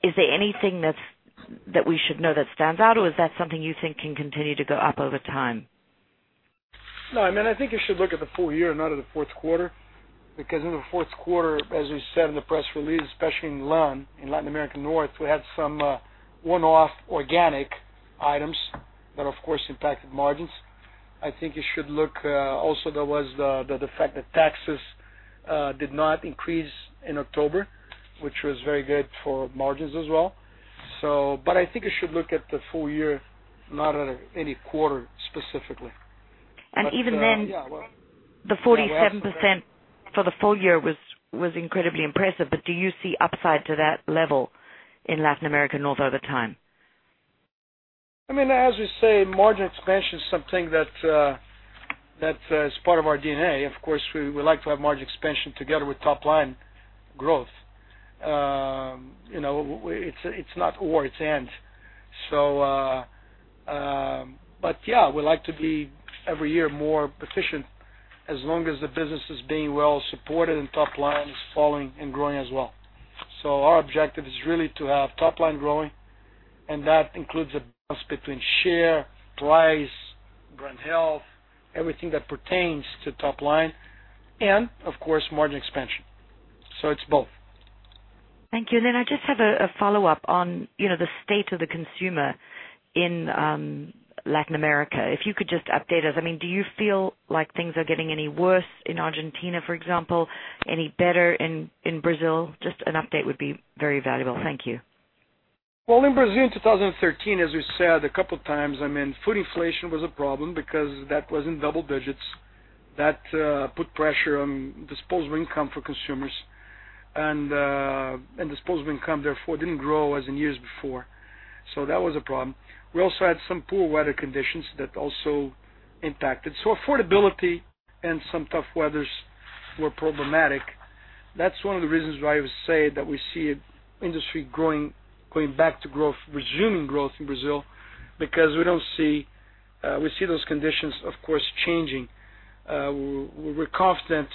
Is there anything that we should know that stands out or is that something you think can continue to go up over time? No, I think you should look at the full year, not at the fourth quarter, because in the fourth quarter, as we said in the press release, especially in LAN, in Latin America North, we had some one-off organic items that, of course, impacted margins. Also, there was the fact that taxes did not increase in October, which was very good for margins as well. I think you should look at the full year, not at any quarter specifically. Even then. Yeah. The 47% for the full year was incredibly impressive, do you see upside to that level in Latin America North over time? As we say, margin expansion is something that's part of our DNA. Of course, we like to have margin expansion together with top-line growth. It's not war, it's and. Yeah, we like to be every year more proficient as long as the business is being well-supported and top-line is following and growing as well. Our objective is really to have top-line growing, and that includes a balance between share, price, brand health, everything that pertains to top line and, of course, margin expansion. It's both. Thank you. I just have a follow-up on the state of the consumer in Latin America. If you could just update us. Do you feel like things are getting any worse in Argentina, for example, any better in Brazil? Just an update would be very valuable. Thank you. Well, in Brazil, 2013, as we said a couple of times, food inflation was a problem because that was in double digits. That put pressure on disposable income for consumers, and disposable income, therefore, didn't grow as in years before. That was a problem. We also had some poor weather conditions that also impacted. Affordability and some tough weathers were problematic. That's one of the reasons why we say that we see industry growing, going back to growth, resuming growth in Brazil because we see those conditions, of course, changing. We're confident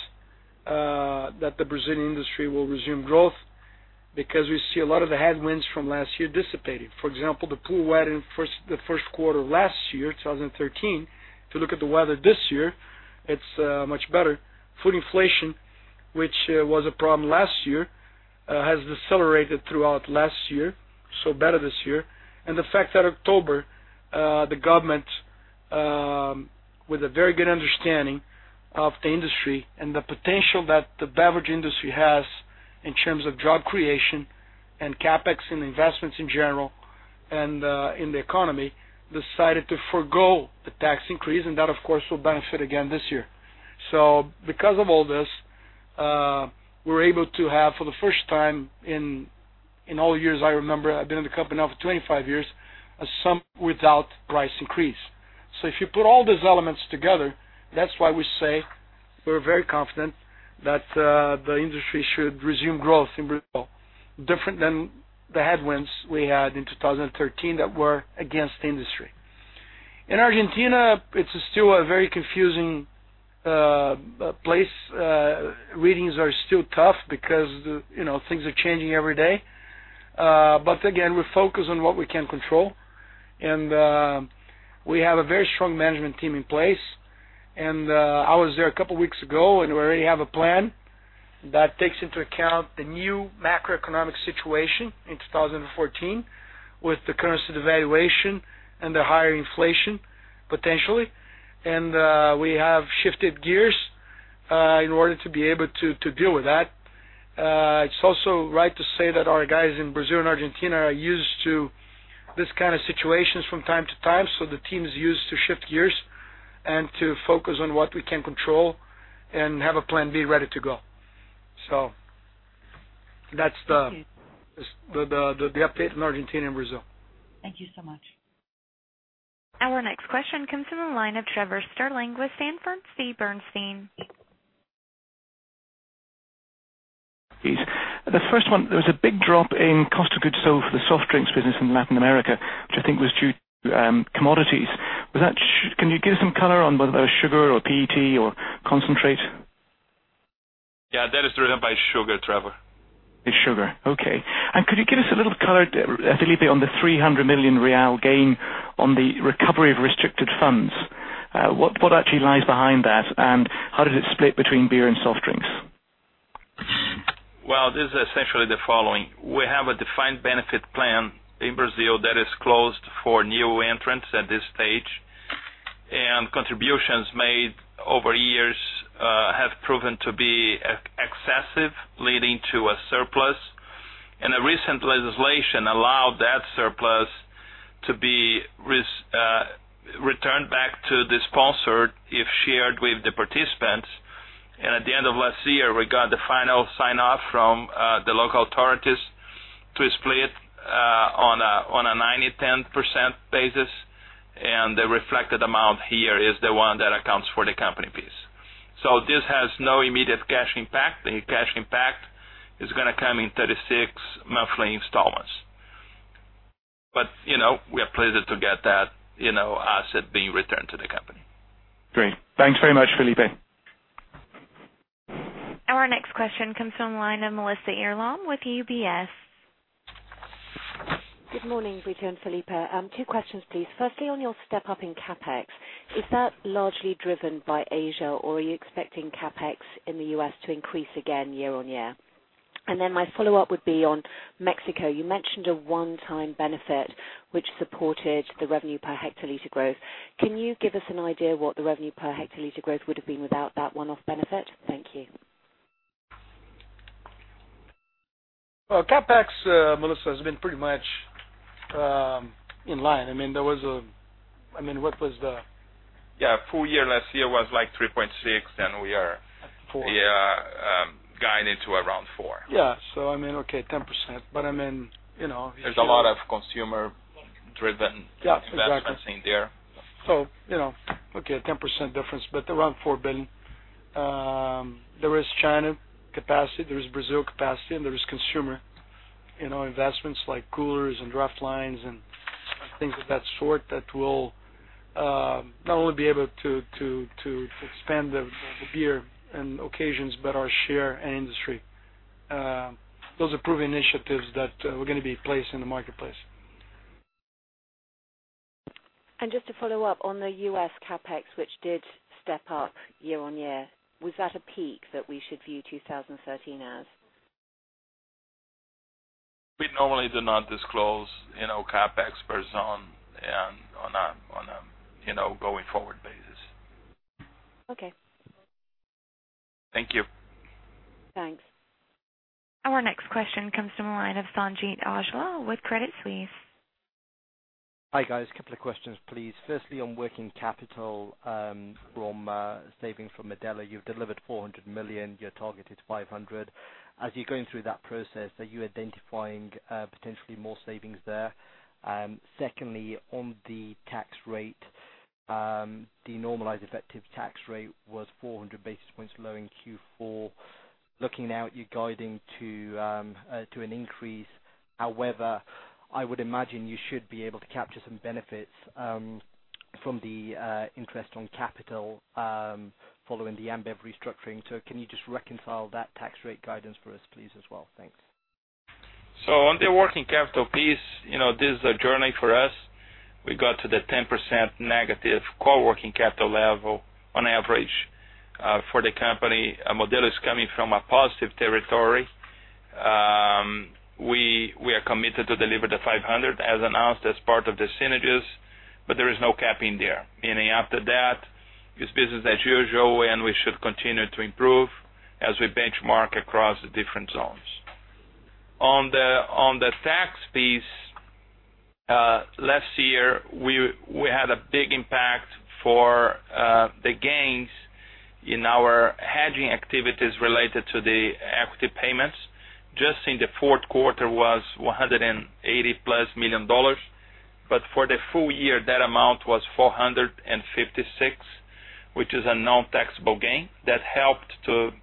that the Brazilian industry will resume growth because we see a lot of the headwinds from last year dissipating. For example, the poor weather in the first quarter of last year, 2013. If you look at the weather this year, it's much better. Food inflation, which was a problem last year, has decelerated throughout last year, better this year. The fact that October, the government, with a very good understanding of the industry and the potential that the beverage industry has in terms of job creation and CapEx and investments in general and in the economy, decided to forgo the tax increase, and that, of course, will benefit again this year. Because of all this, we're able to have for the first time in all the years I remember, I've been in the company now for 25 years, a summer without price increase. If you put all these elements together, that's why we say we're very confident that the industry should resume growth in Brazil, different than the headwinds we had in 2013 that were against the industry. In Argentina, it's still a very confusing place. Readings are still tough because things are changing every day. Again, we focus on what we can control, and we have a very strong management team in place. I was there a couple of weeks ago, and we already have a plan that takes into account the new macroeconomic situation in 2014 with the currency devaluation and the higher inflation, potentially. We have shifted gears in order to be able to deal with that. It's also right to say that our guys in Brazil and Argentina are used to this kind of situations from time to time, the team is used to shift gears and to focus on what we can control and have a plan B ready to go. That's the update in Argentina and Brazil. Thank you so much. Our next question comes from the line of Trevor Stirling with Sanford C. Bernstein. Please. The first one, there was a big drop in cost of goods sold for the soft drinks business in Latin America, which I think was due to commodities. Can you give some color on whether that was sugar or PET or concentrate? Yeah, that is driven by sugar, Trevor. It's sugar. Okay. Could you give us a little color, Felipe, on the 300 million real gain on the recovery of restricted funds? What actually lies behind that, and how does it split between beer and soft drinks? Well, this is essentially the following. We have a defined benefit plan in Brazil that is closed for new entrants at this stage, contributions made over years have proven to be excessive, leading to a surplus. A recent legislation allowed that surplus to be returned back to the sponsor if shared with the participants. At the end of last year, we got the final sign-off from the local authorities to split on a 90%/10% basis, the reflected amount here is the one that accounts for the company piece. This has no immediate cash impact. The cash impact is going to come in 36 monthly installments. We are pleased to get that asset being returned to the company. Great. Thanks very much, Felipe. Our next question comes from the line of Melissa Earlam with UBS. Good morning, Brito and Felipe. Two questions, please. Firstly, on your step-up in CapEx, is that largely driven by Asia, or are you expecting CapEx in the U.S. to increase again year-on-year? My follow-up would be on Mexico. You mentioned a one-time benefit which supported the revenue per hectoliter growth. Can you give us an idea what the revenue per hectoliter growth would have been without that one-off benefit? Thank you. Well, CapEx, Melissa, has been pretty much in line. Yeah, full year last year was like 3.6. Four guiding to around four. Yeah. Okay, 10%. I mean There's a lot of consumer-driven Yeah, exactly investments in there. Okay, a 10% difference, but around $4 billion. There is China capacity, there is Brazil capacity, and there is consumer investments like coolers and draft lines and things of that sort that will not only be able to expand the beer and occasions but our share and industry. Those are proven initiatives that we're going to be placing in the marketplace. Just to follow up, on the U.S. CapEx, which did step up year-over-year, was that a peak that we should view 2013 as? We normally do not disclose CapEx per zone on a going forward basis. Okay. Thank you. Thanks. Our next question comes from the line of Sanjeet Aujla with Credit Suisse. Hi, guys. Couple of questions, please. Firstly, on working capital from savings from Modelo, you've delivered 400 million, you targeted 500 million. As you're going through that process, are you identifying potentially more savings there? Secondly, on the tax rate, the normalized effective tax rate was 400 basis points low in Q4. Looking out, you're guiding to an increase. However, I would imagine you should be able to capture some benefits from the interest on capital following the AmBev restructuring. Can you just reconcile that tax rate guidance for us, please, as well? Thanks. On the working capital piece, this is a journey for us. We got to the 10% negative core working capital level on average for the company. Modelo is coming from a positive territory. We are committed to deliver the 500 million as announced as part of the synergies, but there is no capping there, meaning after that, it's business as usual, and we should continue to improve as we benchmark across the different zones. On the tax piece, last year, we had a big impact for the gains in our hedging activities related to the equity payments. Just in the fourth quarter was EUR 180-plus million, but for the full year, that amount was 456 million, which is a non-taxable gain that helped to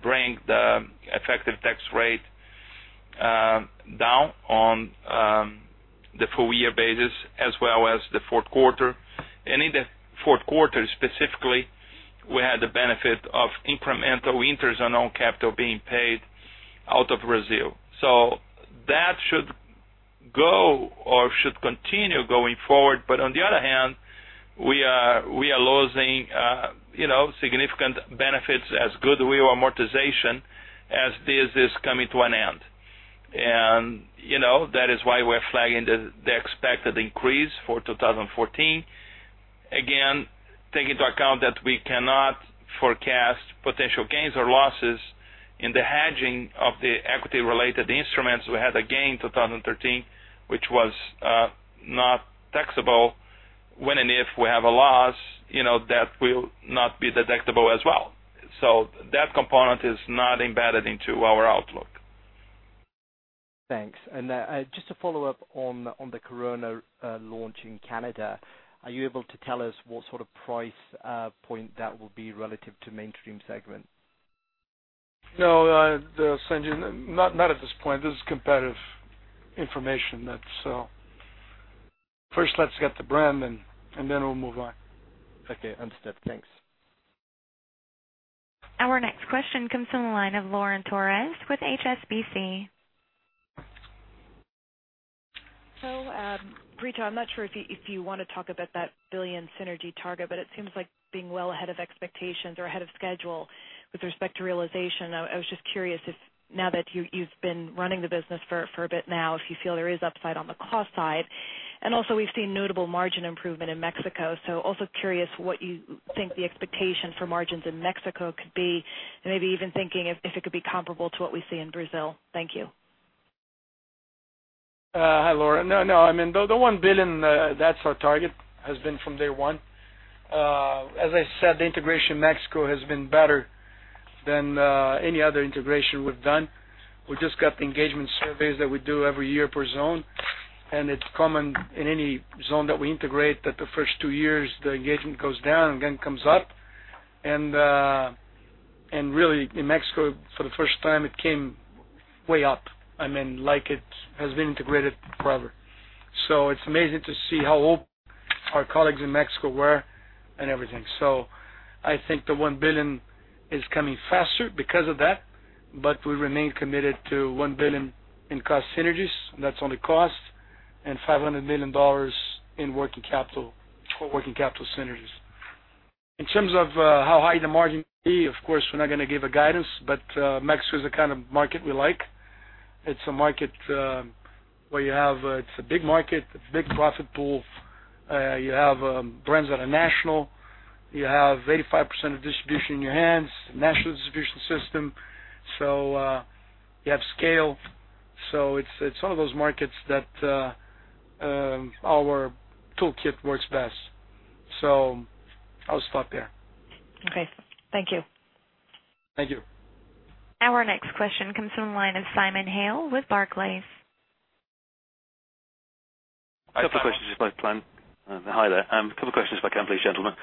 bring the effective tax rate down on the full year basis as well as the fourth quarter. In the fourth quarter specifically, we had the benefit of incremental interest on own capital being paid out of Brazil. That should go or should continue going forward. On the other hand, we are losing significant benefits as goodwill amortization as this is coming to an end. That is why we're flagging the expected increase for 2014. Again, take into account that we cannot forecast potential gains or losses in the hedging of the equity-related instruments. We had a gain in 2013, which was not taxable. When and if we have a loss, that will not be deductible as well. That component is not embedded into our outlook. Thanks. Just to follow up on the Corona launch in Canada, are you able to tell us what sort of price point that will be relative to mainstream segment? No, Sanjeet. Not at this point. This is competitive information. First let's get the brand in, and then we'll move on. Okay, understood. Thanks. Our next question comes from the line of Lauren Torres with HSBC. Brito, I'm not sure if you want to talk about that 1 billion synergy target, but it seems like being well ahead of expectations or ahead of schedule with respect to realization. I was just curious if now that you've been running the business for a bit now, if you feel there is upside on the cost side. Also, we've seen notable margin improvement in Mexico. Also curious what you think the expectation for margins in Mexico could be, and maybe even thinking if it could be comparable to what we see in Brazil. Thank you. Hi, Lauren. No. The $1 billion, that's our target, has been from day one. As I said, the integration in Mexico has been better than any other integration we've done. We just got the engagement surveys that we do every year per zone, and it's common in any zone that we integrate that the first two years, the engagement goes down and again comes up. Really, in Mexico, for the first time, it came way up. Like it has been integrated forever. It's amazing to see how open our colleagues in Mexico were and everything. I think the $1 billion is coming faster because of that, but we remain committed to $1 billion in cost synergies, and that's only cost, and $500 million in working capital synergies. In terms of how high the margin will be, of course, we're not going to give a guidance, Mexico is the kind of market we like. It's a big market. It's a big profit pool. You have brands that are national. You have 85% of distribution in your hands, national distribution system. You have scale. It's one of those markets that our toolkit works best. I'll stop there. Okay. Thank you. Thank you. Our next question comes from the line of Simon Hales with Barclays. Hi there. Couple questions if I can please, gentlemen.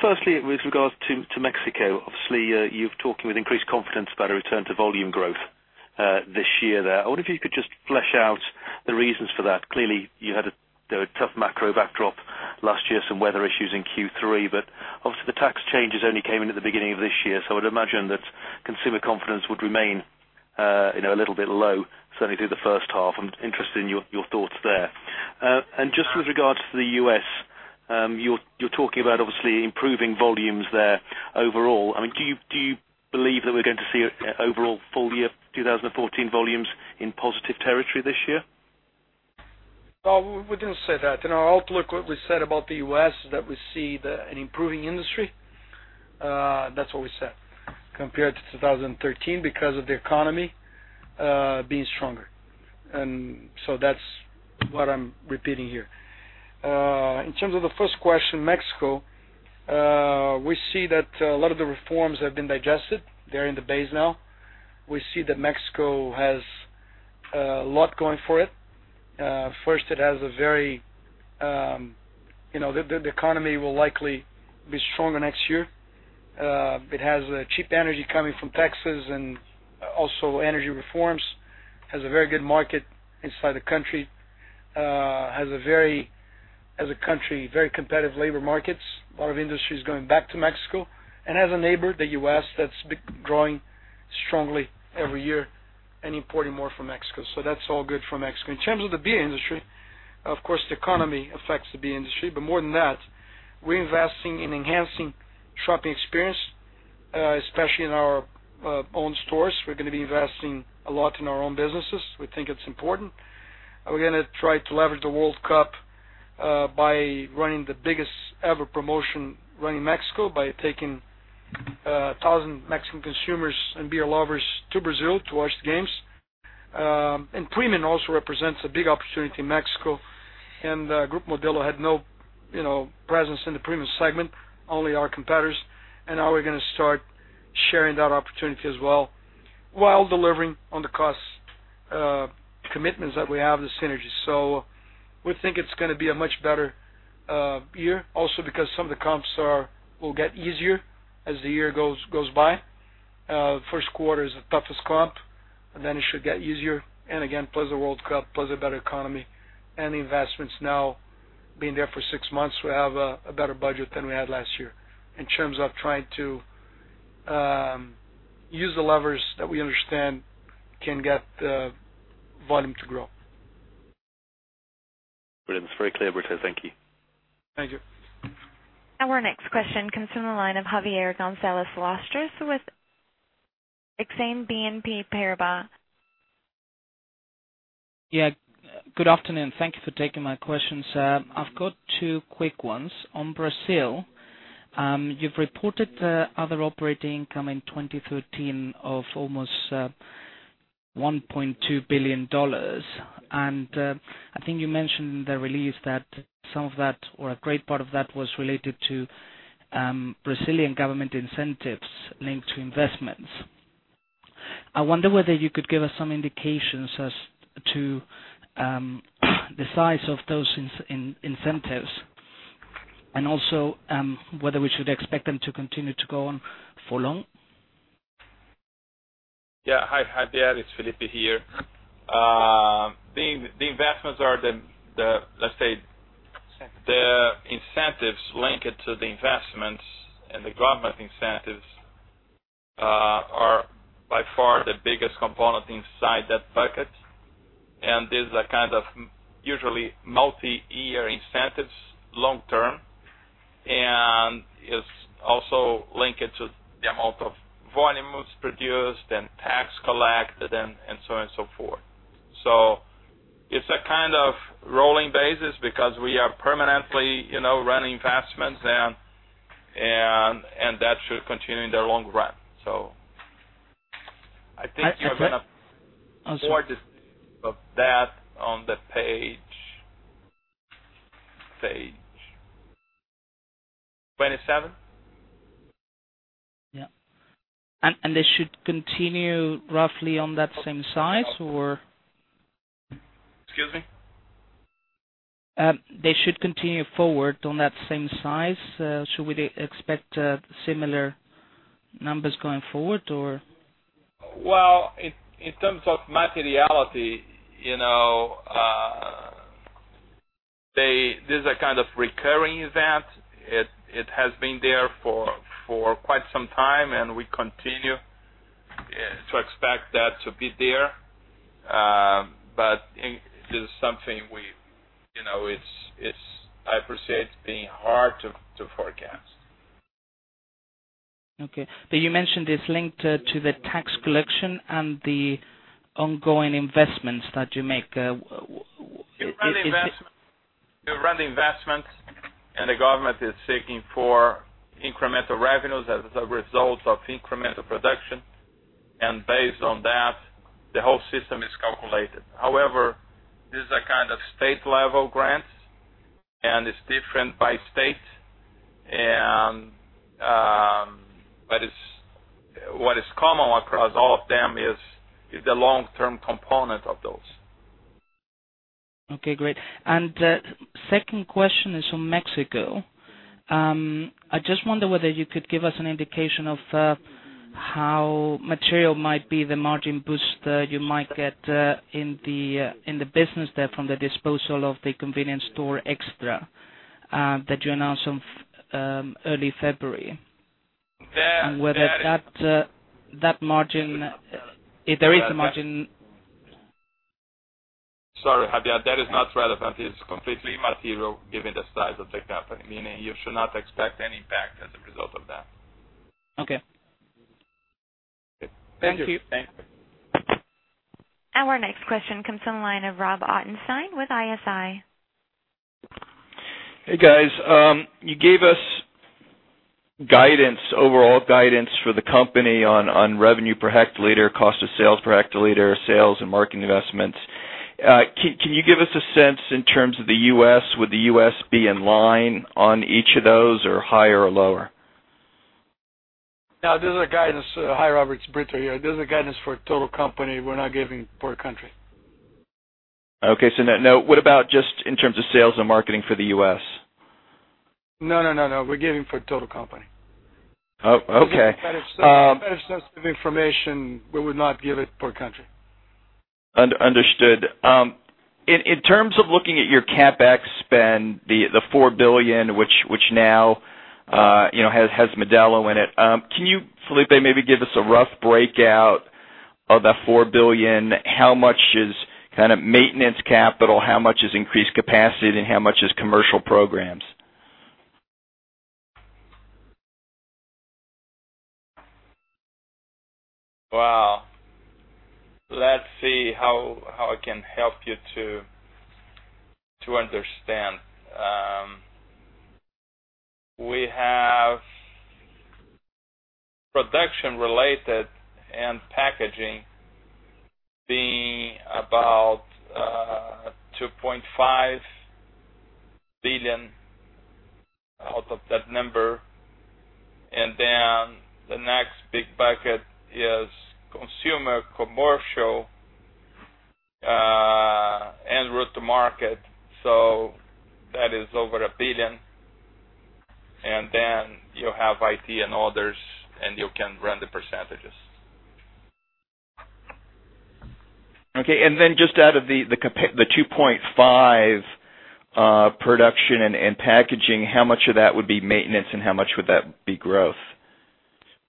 Firstly, with regards to Mexico, obviously, you're talking with increased confidence about a return to volume growth this year there. I wonder if you could just flesh out the reasons for that. Clearly, you had a tough macro backdrop last year, some weather issues in Q3, but obviously, the tax changes only came in at the beginning of this year. I would imagine that consumer confidence would remain a little bit low, certainly through the first half. I'm interested in your thoughts there. With regards to the U.S., you're talking about obviously improving volumes there overall. Do you believe that we're going to see overall full-year 2014 volumes in positive territory this year? No, we didn't say that. In our outlook, what we said about the U.S. is that we see an improving industry. That's what we said. Compared to 2013 because of the economy being stronger. That's what I'm repeating here. In terms of the first question, Mexico, we see that a lot of the reforms have been digested. They're in the base now. We see that Mexico has a lot going for it. The economy will likely be stronger next year. It has cheap energy coming from Texas and also energy reforms, has a very good market inside the country, has a country, very competitive labor markets. A lot of industries going back to Mexico. And has a neighbor, the U.S., that's growing strongly every year and importing more from Mexico. That's all good for Mexico. In terms of the beer industry, of course, the economy affects the beer industry. More than that, we're investing in enhancing shopping experience, especially in our own stores. We're going to be investing a lot in our own businesses. We think it's important. We're going to try to leverage the World Cup by running the biggest-ever promotion run in Mexico by taking 1,000 Mexican consumers and beer lovers to Brazil to watch the games. Premium also represents a big opportunity in Mexico, and Grupo Modelo had no presence in the premium segment, only our competitors. Now we're going to start sharing that opportunity as well while delivering on the cost commitments that we have, the synergies. We think it's going to be a much better year, also because some of the comps will get easier as the year goes by. First quarter is the toughest comp. Then it should get easier, again, plus the World Cup, plus a better economy, and the investments now being there for six months, we have a better budget than we had last year in terms of trying to use the levers that we understand can get the volume to grow. Brilliant. It's very clear, Brito. Thank you. Thank you. Our next question comes from the line of Javier Gonzalez Lastra with Exane BNP Paribas. Yeah. Good afternoon. Thank you for taking my questions. I've got two quick ones. On Brazil, you've reported other operating income in 2013 of almost $1.2 billion. I think you mentioned in the release that some of that or a great part of that was related to Brazilian government incentives linked to investments. I wonder whether you could give us some indications as to the size of those incentives and also whether we should expect them to continue to go on for long. Yeah. Hi, Javier, it's Felipe here. The incentives linked to the investments and the government incentives are by far the biggest component inside that bucket, and these are usually multi-year incentives, long-term, and it's also linked to the amount of volumes produced and tax collected and so on and so forth. It's a kind of rolling basis because we are permanently running investments, and that should continue in the long run. I think you're going to. Okay. I'll see. More of that on the page 27. Yeah. They should continue roughly on that same size or? Excuse me? They should continue forward on that same size. Should we expect similar numbers going forward or? In terms of materiality, this is a kind of recurring event. It has been there for quite some time, and we continue to expect that to be there. It is something, I appreciate it's been hard to forecast. Okay. You mentioned it's linked to the tax collection and the ongoing investments that you make. You run the investments, the government is seeking for incremental revenues as a result of incremental production, and based on that, the whole system is calculated. However, this is a kind of state-level grant, and it's different by state. What is common across all of them is the long-term component of those. Okay, great. The second question is on Mexico. I just wonder whether you could give us an indication of how material might be the margin boost you might get in the business there from the disposal of the convenience store Extra, that you announced on early February. That- Whether that margin, if there is a margin- Sorry, Javier, that is not relevant. It's completely immaterial given the size of the company, meaning you should not expect any impact as a result of that. Okay. Thank you. Thank you. Our next question comes from the line of Rob Ottenstein with ISI. Hey, guys. You gave us overall guidance for the company on revenue per hectoliter, cost of sales per hectoliter, sales and marketing investments. Can you give us a sense in terms of the U.S., would the U.S. be in line on each of those, or higher or lower? This is a guidance. Hi, Rob, it's Brito here. This is a guidance for total company. We're not giving per country. Okay. Now, what about just in terms of sales and marketing for the U.S.? No, we're giving for total company. Oh, okay. That is sensitive information. We would not give it per country. Understood. In terms of looking at your CapEx spend, the $4 billion, which now has Modelo in it. Can you, Felipe, maybe give us a rough breakout of that $4 billion? How much is kind of maintenance capital, how much is increased capacity, and how much is commercial programs? Well, let's see how I can help you to understand. We have production-related and packaging being about $2.5 billion out of that number. Then the next big bucket is consumer, commercial, and route to market. That is over $1 billion. You have IT and others, and you can run the percentages. Okay. Just out of the 2.5 production and packaging, how much of that would be maintenance and how much would that be growth?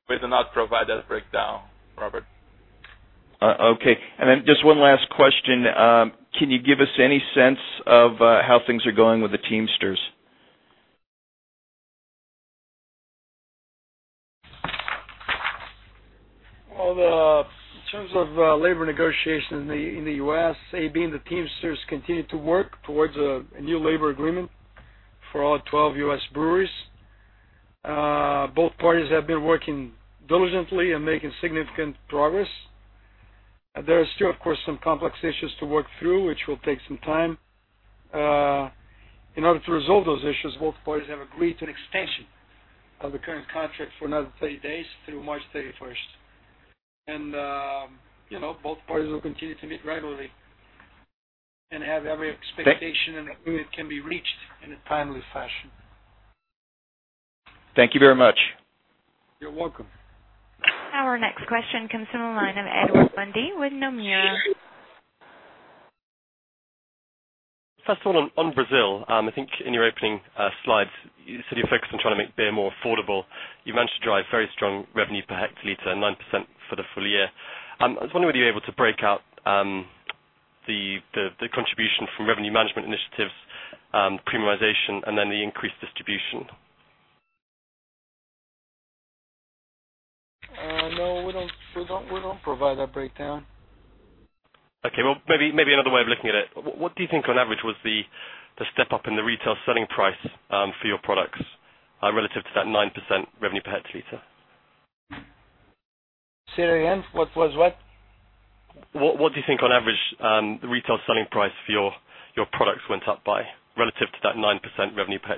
We do not provide that breakdown, Robert. Okay. Just one last question. Can you give us any sense of how things are going with the Teamsters? Well, in terms of labor negotiation in the U.S., AB and the Teamsters continue to work towards a new labor agreement for all 12 U.S. breweries. Both parties have been working diligently and making significant progress. There are still, of course, some complex issues to work through, which will take some time. In order to resolve those issues, both parties have agreed to an extension of the current contract for another 30 days through March 31st. Both parties will continue to meet regularly and have every expectation- Thank- An agreement can be reached in a timely fashion. Thank you very much. You're welcome. Our next question comes from the line of Edward Mundy with Nomura. First of all, on Brazil, I think in your opening slides, you said you're focused on trying to make beer more affordable. You've managed to drive very strong revenue per hectoliter, 9% for the full year. I was wondering, were you able to break out the contribution from revenue management initiatives, premiumization, and then the increased distribution? No, we don't provide that breakdown. Okay. Well, maybe another way of looking at it. What do you think, on average, was the step-up in the retail selling price for your products relative to that 9% revenue per hectoliter? Say that again. What was what? What do you think on average, the retail selling price for your products went up by relative to that 9% revenue per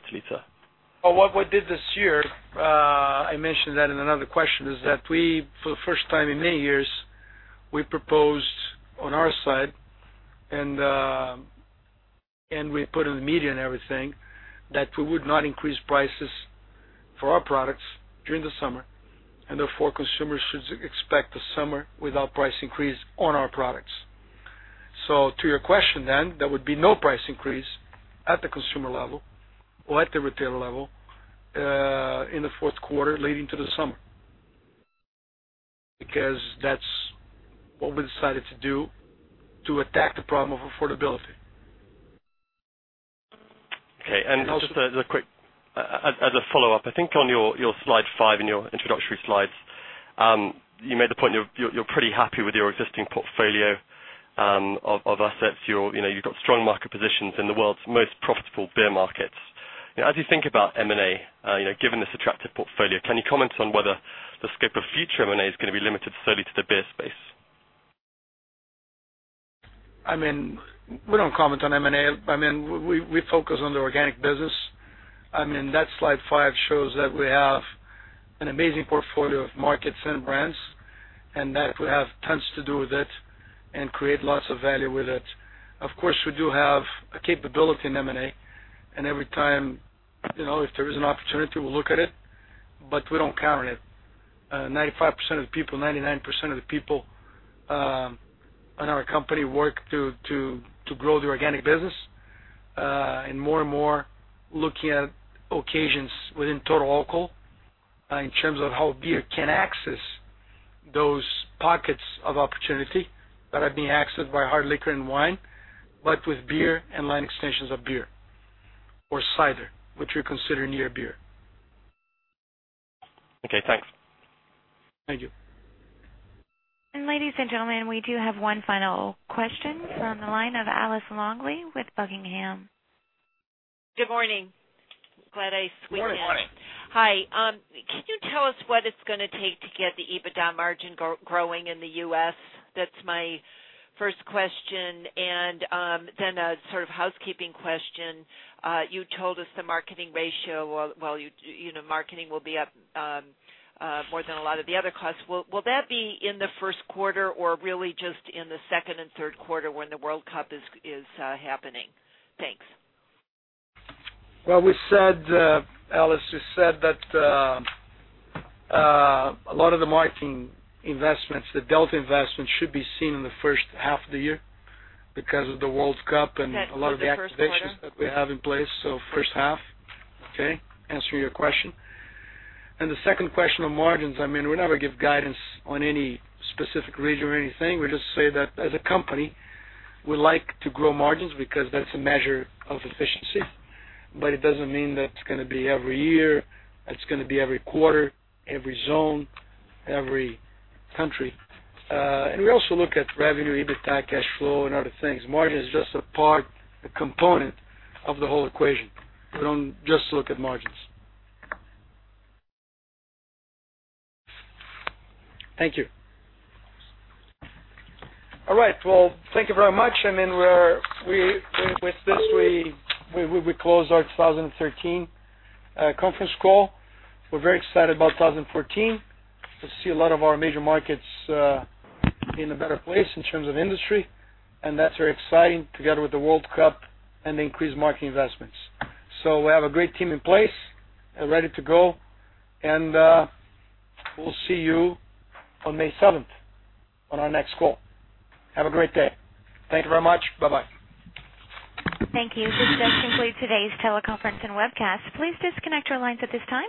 hectoliter? What we did this year, I mentioned that in another question, is that we, for the first time in many years, we proposed on our side, and we put in the media and everything that we would not increase prices for our products during the summer, and therefore, consumers should expect the summer without price increase on our products. To your question, there would be no price increase at the consumer level or at the retailer level in the fourth quarter leading to the summer. That's what we decided to do to attack the problem of affordability. Just as a follow-up, I think on your slide five in your introductory slides, you made the point you're pretty happy with your existing portfolio of assets. You've got strong market positions in the world's most profitable beer markets. As you think about M&A, given this attractive portfolio, can you comment on whether the scope of future M&A is going to be limited solely to the beer space? We don't comment on M&A. We focus on the organic business. That slide five shows that we have an amazing portfolio of markets and brands, and that we have tons to do with it and create lots of value with it. Of course, we do have a capability in M&A, and every time, if there is an opportunity, we'll look at it, but we don't count on it. 95% of the people, 99% of the people in our company work to grow the organic business. More and more looking at occasions within total alcohol, in terms of how beer can access those pockets of opportunity that are being accessed by hard liquor and wine, but with beer and line extensions of beer or cider, which we consider near beer. Okay, thanks. Thank you. Ladies and gentlemen, we do have one final question from the line of Alice Longley with Buckingham. Good morning. Glad I squeezed in. Good morning. Hi. Can you tell us what it's going to take to get the EBITDA margin growing in the U.S.? That's my first question, and then a sort of housekeeping question. You told us the marketing ratio, marketing will be up more than a lot of the other costs. Will that be in the first quarter or really just in the second and third quarter when the World Cup is happening? Thanks. Well, Alice, we said that a lot of the marketing investments, the delta investments should be seen in the first half of the year because of the World Cup and a lot of the activations. Okay, the first quarter that we have in place. First half. Okay. Answering your question. The second question on margins, we never give guidance on any specific region or anything. We just say that as a company, we like to grow margins because that's a measure of efficiency. It doesn't mean that it's going to be every year, it's going to be every quarter, every zone, every country. We also look at revenue, EBITDA, cash flow, and other things. Margin is just a part, a component of the whole equation. We don't just look at margins. Thank you. All right. Thank you very much. With this, we close our 2013 conference call. We're very excited about 2014 to see a lot of our major markets in a better place in terms of industry, and that's very exciting together with the World Cup and the increased marketing investments. We have a great team in place and ready to go, and we'll see you on May 7th on our next call. Have a great day. Thank you very much. Bye-bye. Thank you. This does conclude today's teleconference and webcast. Please disconnect your lines at this time.